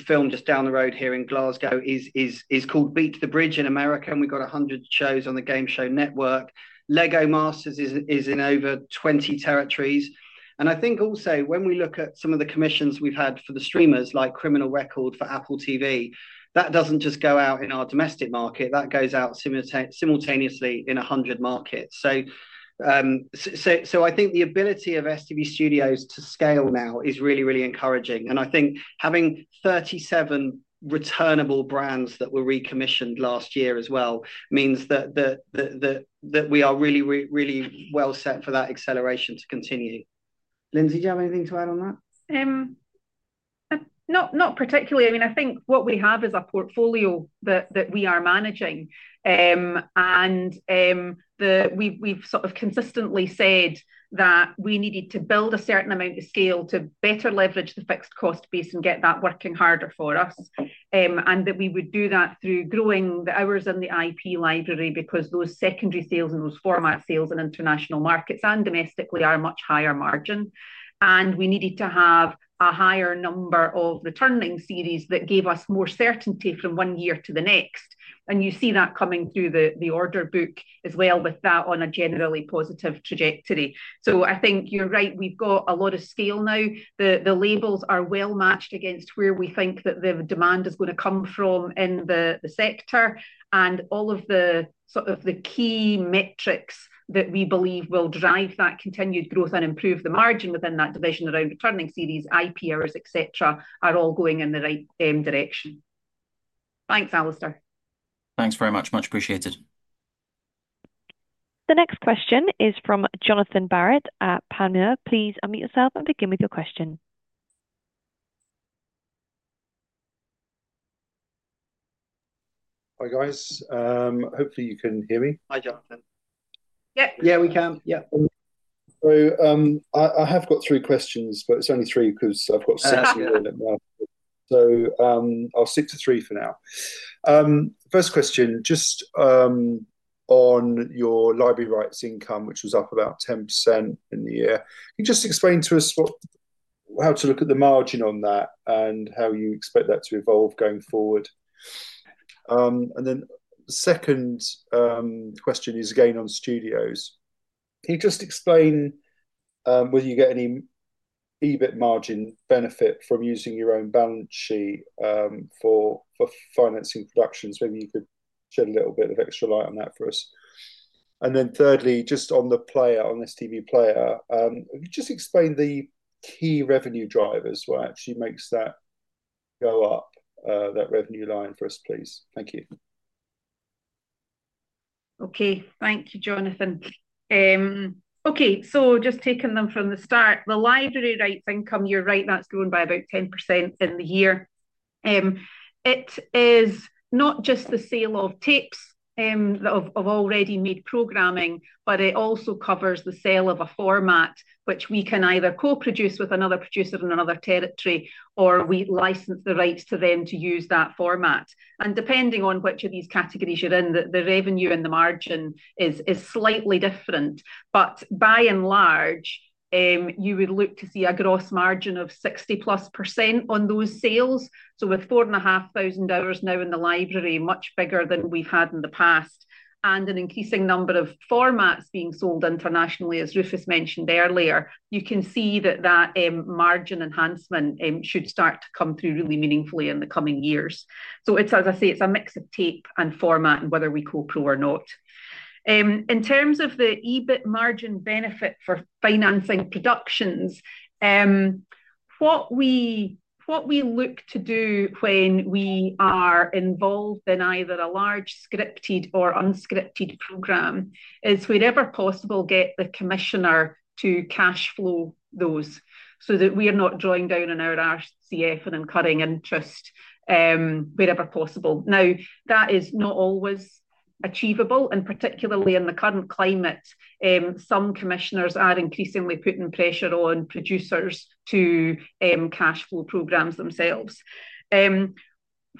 filmed just down the road here in Glasgow, is called Beat the Bridge in America, and we've got one hundred shows on the Game Show Network. Lego Masters is in over twenty territories. I think also, when we look at some of the commissions we've had for the streamers, like Criminal Record for Apple TV, that doesn't just go out in our domestic market. That goes out simultaneously in one hundred markets. I think the ability of STV Studios to scale now is really, really encouraging. I think having thirty-seven returnable brands that were recommissioned last year as well means that we are really, really well set for that acceleration to continue. Lindsay, do you have anything to add on that? Not particularly. I mean, I think what we have is a portfolio that we are managing, and we've sort of consistently said that we needed to build a certain amount of scale to better leverage the fixed cost base and get that working harder for us, and that we would do that through growing the hours in the IP library because those secondary sales and those format sales in international markets and domestically are much higher margin. We needed to have a higher number of returning series that gave us more certainty from one year to the next. You see that coming through the order book as well with that on a generally positive trajectory. I think you're right. We've got a lot of scale now. The labels are well matched against where we think that the demand is going to come from in the sector. All of the sort of the key metrics that we believe will drive that continued growth and improve the margin within that division around returning series, IP hours, etc., are all going in the right direction. Thanks, Alasdair. Thanks very much. Much appreciated. The next question is from Johnathan Barrett at Panmure. Please unmute yourself and begin with your question. Hi guys. Hopefully, you can hear me. Hi, Johnathan. Yeah, we can. Yeah. I have got three questions, but it's only three because I've got six here in the back. I'll stick to three for now. First question, just on your library rights income, which was up about 10% in the year. Can you just explain to us how to look at the margin on that and how you expect that to evolve going forward? The second question is again on Studios. Can you just explain whether you get any EBIT margin benefit from using your own balance sheet for financing productions? Maybe you could shed a little bit of extra light on that for us. Thirdly, just on the player, on STV Player, just explain the key revenue drivers. What actually makes that go up, that revenue line for us, please? Thank you. Okay. Thank you, Johnathan. Okay. Just taking them from the start, the library rights income, you're right, that's grown by about 10% in the year. It is not just the sale of tapes of already made programming, but it also covers the sale of a format, which we can either co-produce with another producer in another territory, or we license the rights to them to use that format. Depending on which of these categories you're in, the revenue and the margin is slightly different. By and large, you would look to see a gross margin of 60% plus on those sales. With 4,500 hours now in the library, much bigger than we've had in the past, and an increasing number of formats being sold internationally, as Rufus mentioned earlier, you can see that that margin enhancement should start to come through really meaningfully in the coming years. As I say, it's a mix of tape and format and whether we co-produce or not. In terms of the EBIT margin benefit for financing productions, what we look to do when we are involved in either a large scripted or unscripted program is, wherever possible, get the commissioner to cash flow those so that we are not drawing down on our RCF and incurring interest wherever possible. Now, that is not always achievable, and particularly in the current climate, some commissioners are increasingly putting pressure on producers to cash flow programs themselves.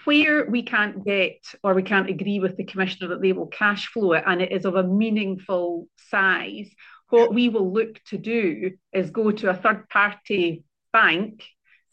Where we can't get or we can't agree with the commissioner that they will cash flow it and it is of a meaningful size, what we will look to do is go to a third-party bank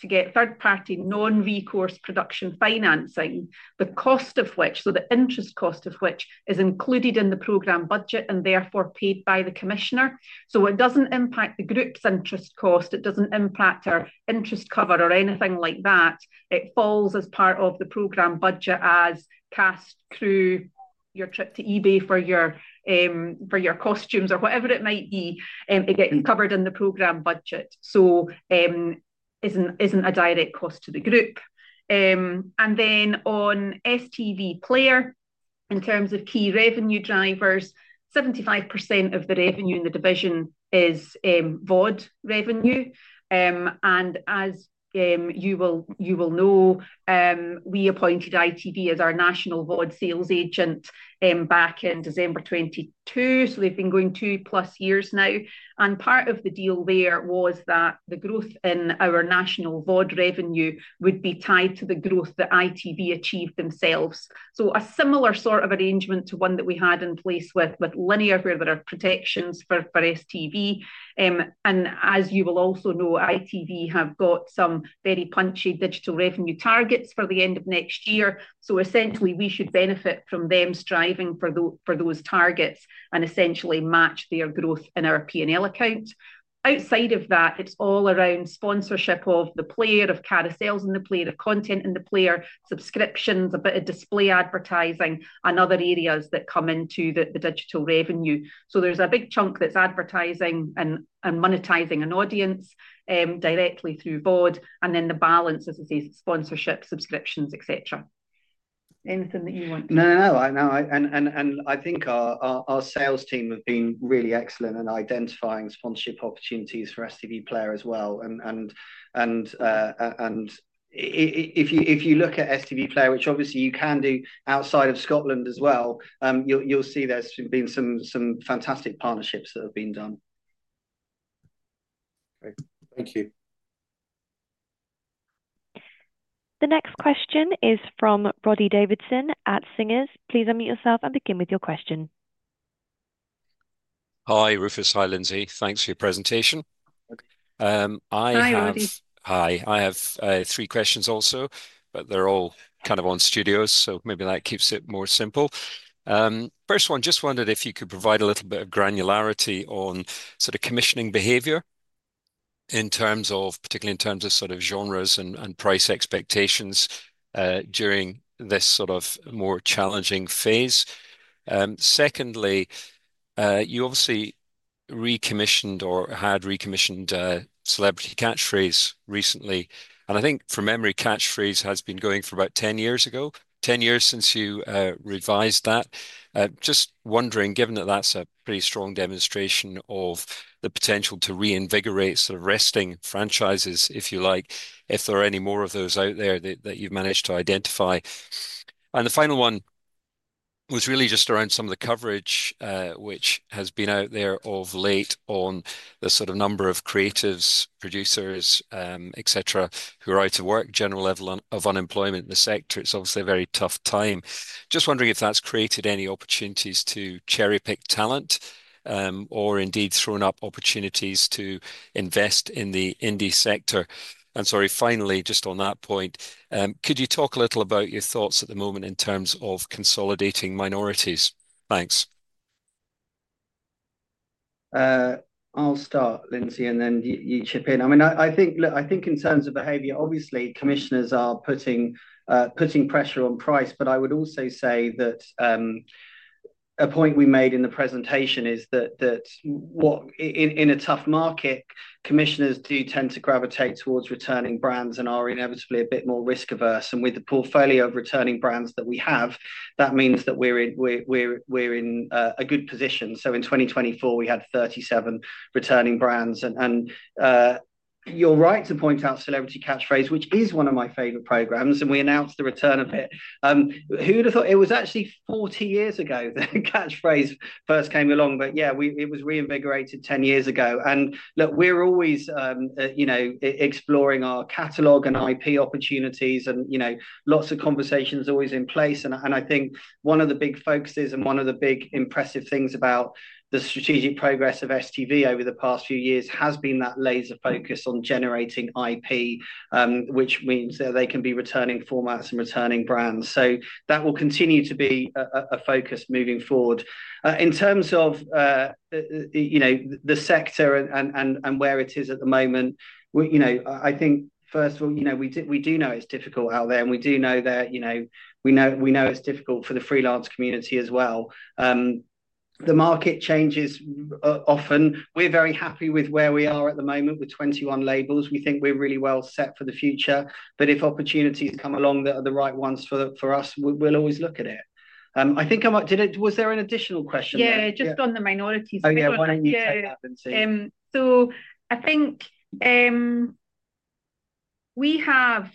to get third-party non-recourse production financing, the cost of which, so the interest cost of which, is included in the program budget and therefore paid by the commissioner. It does not impact the group's interest cost. It does not impact our interest cover or anything like that. It falls as part of the program budget as cast, crew, your trip to eBay for your costumes or whatever it might be. It gets covered in the program budget, so it is not a direct cost to the group. On STV Player, in terms of key revenue drivers, 75% of the revenue in the division is VOD revenue. As you will know, we appointed ITV as our national VOD sales agent back in December 2022, so they have been going two plus years now. Part of the deal there was that the growth in our national VOD revenue would be tied to the growth that ITV achieved themselves. A similar sort of arrangement to one that we had in place with linear, with further protections for STV. As you will also know, ITV have got some very punchy digital revenue targets for the end of next year. Essentially, we should benefit from them striving for those targets and essentially match their growth in our P&L account. Outside of that, it's all around sponsorship of the player, of carousels, and the player, of content, and the player subscriptions, a bit of display advertising, and other areas that come into the digital revenue. There's a big chunk that's advertising and monetizing an audience directly through VOD, and then the balance, as I say, sponsorship, subscriptions, etc. Anything that you want to? No, no, no. I think our sales team have been really excellent in identifying sponsorship opportunities for STV Player as well. If you look at STV Player, which obviously you can do outside of Scotland as well, you'll see there's been some fantastic partnerships that have been done. Okay. Thank you. The next question is from Roddy Davidson at Singer. Please unmute yourself and begin with your question. Hi, Rufus. Hi, Lindsay. Thanks for your presentation. Hi, Roddy. Hi. I have three questions also, but they're all kind of on Studios, so maybe that keeps it more simple. First one, just wondered if you could provide a little bit of granularity on sort of commissioning behavior in terms of, particularly in terms of sort of genres and price expectations during this sort of more challenging phase. Secondly, you obviously recommissioned or had recommissioned Celebrity Catchphrase recently. I think from memory, Catchphrase has been going for about 10 years, 10 years since you revised that. Just wondering, given that that's a pretty strong demonstration of the potential to reinvigorate sort of resting franchises, if you like, if there are any more of those out there that you've managed to identify. The final one was really just around some of the coverage, which has been out there of late on the sort of number of creatives, producers, etc., who are out of work, general level of unemployment in the sector. It is obviously a very tough time. Just wondering if that's created any opportunities to cherry-pick talent or indeed thrown up opportunities to invest in the indie sector. Sorry, finally, just on that point, could you talk a little about your thoughts at the moment in terms of consolidating minorities? Thanks. I'll start, Lindsay, and then you chip in. I mean, I think in terms of behavior, obviously, commissioners are putting pressure on price, but I would also say that a point we made in the presentation is that in a tough market, commissioners do tend to gravitate towards returning brands and are inevitably a bit more risk-averse. With the portfolio of returning brands that we have, that means that we're in a good position. In 2024, we had thirty-seven returning brands. You're right to point out Celebrity Catchphrase, which is one of my favorite programs, and we announced the return of it. Who would have thought it was actually 40 years ago that Catchphrase first came along? It was reinvigorated 10 years ago. Look, we're always exploring our catalogue and IP opportunities and lots of conversations always in place. I think one of the big focuses and one of the big impressive things about the strategic progress of STV over the past few years has been that laser focus on generating IP, which means that they can be returning formats and returning brands. That will continue to be a focus moving forward. In terms of the sector and where it is at the moment, I think, first of all, we do know it's difficult out there, and we do know that we know it's difficult for the freelance community as well. The market changes often. We're very happy with where we are at the moment with twenty-one labels. We think we're really well set for the future. If opportunities come along that are the right ones for us, we'll always look at it. I think I might—was there an additional question there? Yeah, just on the minorities. I think I wanted you to add that, Lindsay. I think we have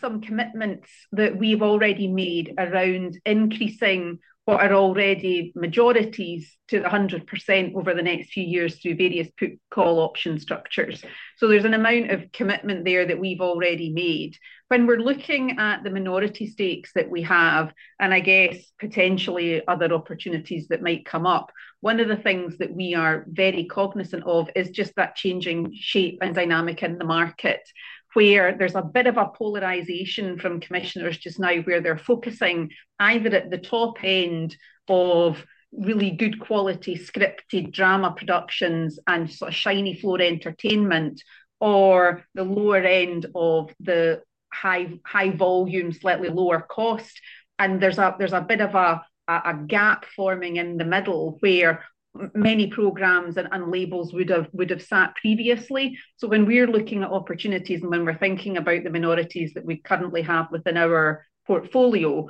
some commitments that we've already made around increasing what are already majorities to 100% over the next few years through various call option structures. There is an amount of commitment there that we've already made. When we're looking at the minority stakes that we have, and I guess potentially other opportunities that might come up, one of the things that we are very cognizant of is just that changing shape and dynamic in the market, where there's a bit of a polarisation from commissioners just now, where they're focusing either at the top end of really good quality scripted drama productions and sort of shiny floor entertainment, or the lower end of the high volume, slightly lower cost. There is a bit of a gap forming in the middle where many programs and labels would have sat previously. When we're looking at opportunities and when we're thinking about the minorities that we currently have within our portfolio,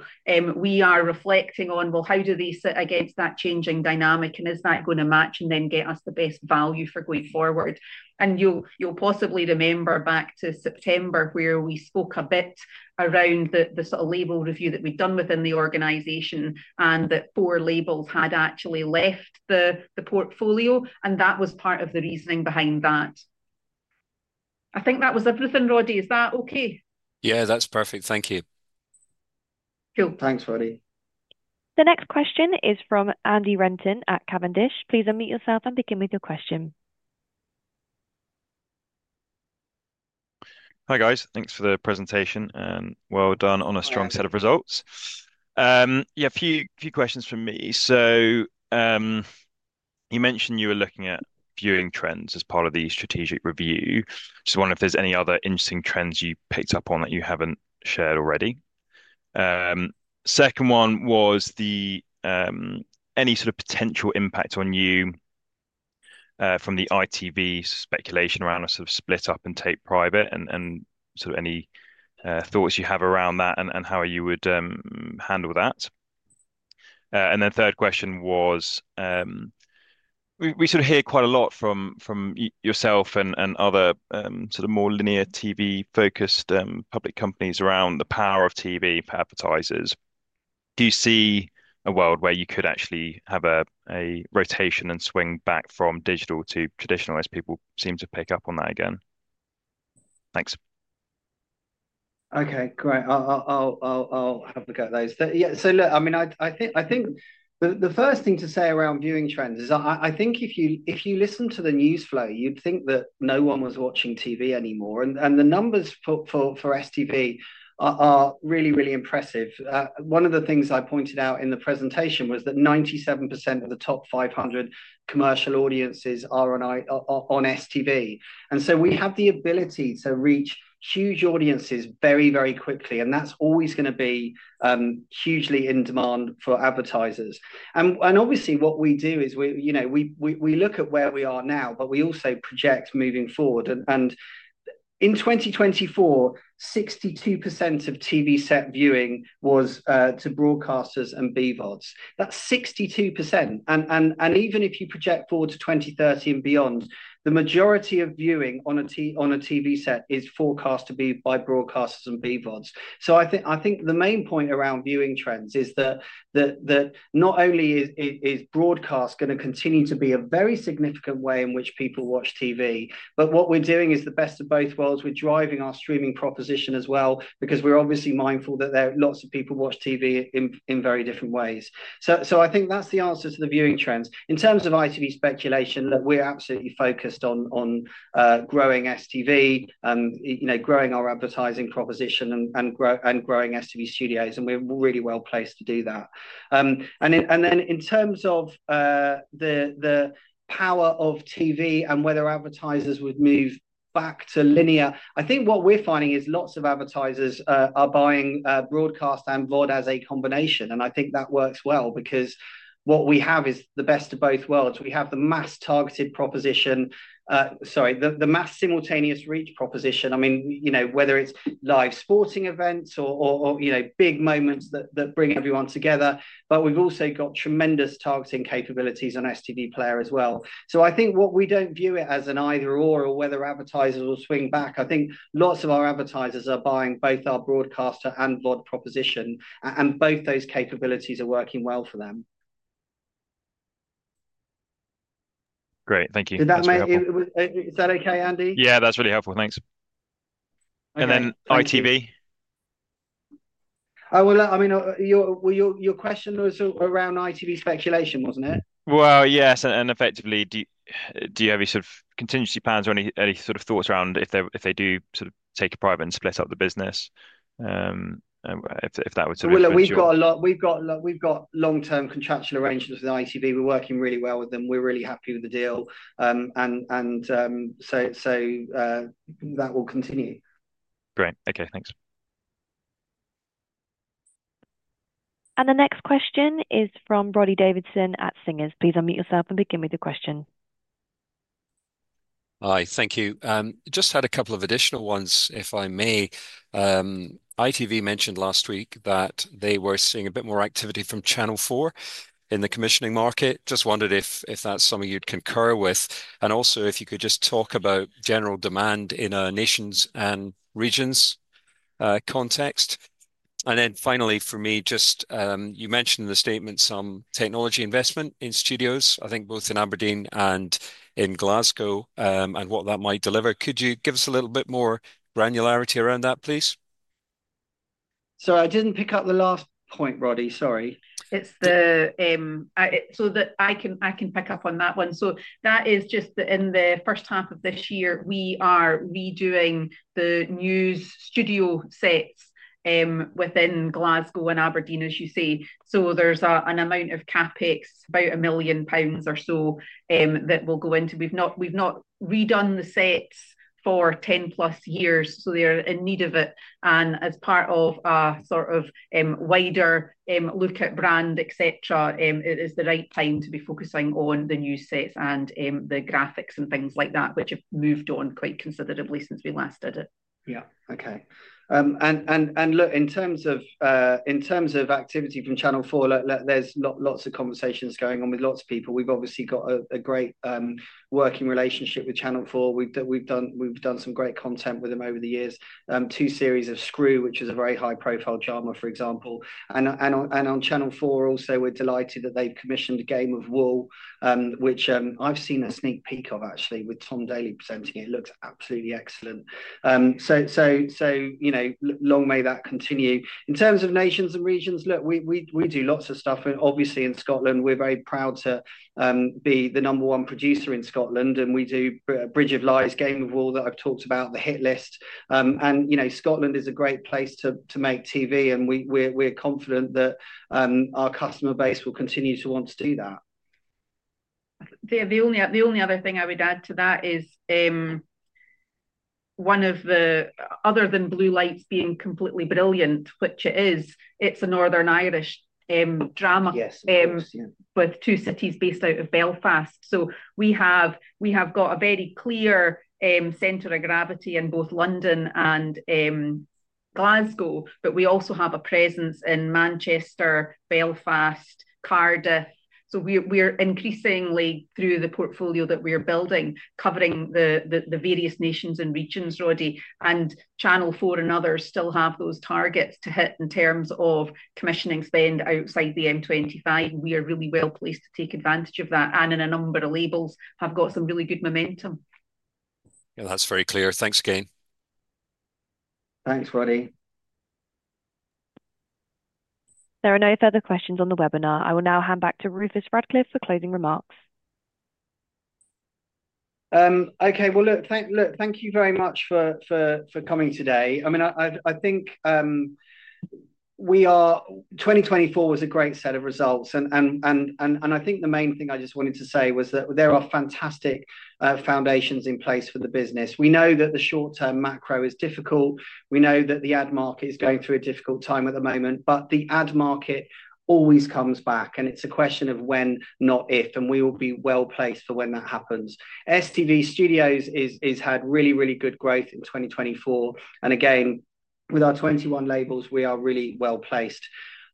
we are reflecting on, you know, how do they sit against that changing dynamic, and is that going to match and then get us the best value for going forward? You'll possibly remember back to September where we spoke a bit around the sort of label review that we've done within the organization and that four labels had actually left the portfolio, and that was part of the reasoning behind that. I think that was everything, Roddy. Is that okay? Yeah, that's perfect. Thank you. Cool. Thanks, Roddy. The next question is from Andy Renton at Cavendish. Please unmute yourself and begin with your question. Hi guys. Thanks for the presentation. Well done on a strong set of results. Yeah, a few questions from me. You mentioned you were looking at viewing trends as part of the strategic review. Just wondering if there's any other interesting trends you picked up on that you haven't shared already. Second one was any sort of potential impact on you from the ITV speculation around a sort of split up and take private and any thoughts you have around that and how you would handle that. Third question was, we hear quite a lot from yourself and other more linear TV-focused public companies around the power of TV for advertisers. Do you see a world where you could actually have a rotation and swing back from digital to traditional as people seem to pick up on that again? Thanks. Okay, great. I'll have a look at those. Yeah. Look, I mean, I think the first thing to say around viewing trends is I think if you listen to the news flow, you'd think that no one was watching TV anymore. The numbers for STV are really, really impressive. One of the things I pointed out in the presentation was that 97% of the top five hundred commercial audiences are on STV. We have the ability to reach huge audiences very, very quickly. That's always going to be hugely in demand for advertisers. Obviously, what we do is we look at where we are now, but we also project moving forward. In 2024, 62% of TV set viewing was to broadcasters and BVODs. That's 62%. Even if you project forward to 2030 and beyond, the majority of viewing on a TV set is forecast to be by broadcasters and BVODs. I think the main point around viewing trends is that not only is broadcast going to continue to be a very significant way in which people watch TV, but what we are doing is the best of both worlds. We are driving our streaming proposition as well because we are obviously mindful that there are lots of people who watch TV in very different ways. I think that is the answer to the viewing trends. In terms of ITV speculation, we are absolutely focused on growing STV, growing our advertising proposition, and growing STV Studios, and we are really well placed to do that. In terms of the power of TV and whether advertisers would move back to linear, I think what we are finding is lots of advertisers are buying broadcast and VOD as a combination. I think that works well because what we have is the best of both worlds. We have the mass targeted proposition, sorry, the mass simultaneous reach proposition. I mean, whether it's live sporting events or big moments that bring everyone together, but we've also got tremendous targeting capabilities on STV Player as well. I think what we don't view it as an either/or or whether advertisers will swing back. I think lots of our advertisers are buying both our broadcaster and VOD proposition, and both those capabilities are working well for them. Great. Thank you. Is that okay, Andy? Yeah, that's really helpful. Thanks. ITV? I mean, your question was around ITV speculation, wasn't it? Yes. Effectively, do you have any sort of contingency plans or any sort of thoughts around if they do sort of take it private and split up the business, if that would sort of? Look, we've got long-term contractual arrangements with ITV. We're working really well with them. We're really happy with the deal. That will continue. Great. Okay. Thanks. The next question is from Roddy Davidson at Singer. Please unmute yourself and begin with your question. Hi. Thank you. Just had a couple of additional ones, if I may. ITV mentioned last week that they were seeing a bit more activity from Channel 4 in the commissioning market. Just wondered if that's something you'd concur with. Also, if you could just talk about general demand in a nations and regions context. Finally, for me, you mentioned in the statement some technology investment in studios, I think both in Aberdeen and in Glasgow, and what that might deliver. Could you give us a little bit more granularity around that, please? Sorry, I didn't pick up the last point, Roddy. Sorry. It's the so that I can pick up on that one. That is just that in the first half of this year, we are redoing the news studio sets within Glasgow and Aberdeen, as you say. There is an amount of capex, about 1 million pounds or so, that will go into. We've not redone the sets for 10 plus years, so they're in need of it. As part of a sort of wider look at brand, etc., it is the right time to be focusing on the new sets and the graphics and things like that, which have moved on quite considerably since we last did it. Yeah. Okay. In terms of activity from Channel 4, there's lots of conversations going on with lots of people. We've obviously got a great working relationship with Channel 4. We've done some great content with them over the years. Two series of Screw, which is a very high-profile drama, for example. On Channel 4, also, we're delighted that they've commissioned Game of Wool, which I've seen a sneak peek of, actually, with Tom Daley presenting it. It looks absolutely excellent. Long may that continue. In terms of nations and regions, look, we do lots of stuff. Obviously, in Scotland, we're very proud to be the number one producer in Scotland. We do Bridge of Lies, Game of Wool that I've talked about, The Hit List. Scotland is a great place to make TV, and we're confident that our customer base will continue to want to do that. The only other thing I would add to that is one of the other than Blue Lights being completely brilliant, which it is, it's a Northern Irish drama with Two Cities based out of Belfast. We have got a very clear center of gravity in both London and Glasgow, but we also have a presence in Manchester, Belfast, Cardiff. We are increasingly, through the portfolio that we are building, covering the various nations and regions, Roddy. Channel 4 and others still have those targets to hit in terms of commissioning spend outside the M25. We are really well placed to take advantage of that. In a number of labels, we have got some really good momentum. Yeah, that's very clear. Thanks again. Thanks, Roddy. There are no further questions on the webinar. I will now hand back to Rufus Radcliffe for closing remarks. Okay. Thank you very much for coming today. I mean, I think 2024 was a great set of results. I think the main thing I just wanted to say was that there are fantastic foundations in place for the business. We know that the short-term macro is difficult. We know that the ad market is going through a difficult time at the moment. The ad market always comes back. It is a question of when, not if. We will be well placed for when that happens. STV Studios has had really, really good growth in 2024. Again, with our twenty-one labels, we are really well placed.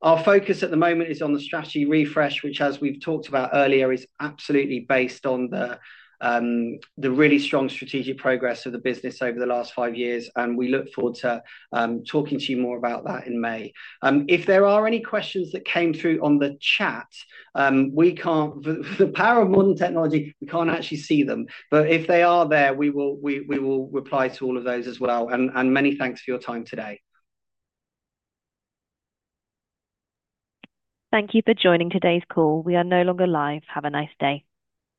Our focus at the moment is on the strategy refresh, which, as we have talked about earlier, is absolutely based on the really strong strategic progress of the business over the last five years. We look forward to talking to you more about that in May. If there are any questions that came through on the chat, the power of modern technology, we cannot actually see them. If they are there, we will reply to all of those as well. Many thanks for your time today. Thank you for joining today's call. We are no longer live. Have a nice day.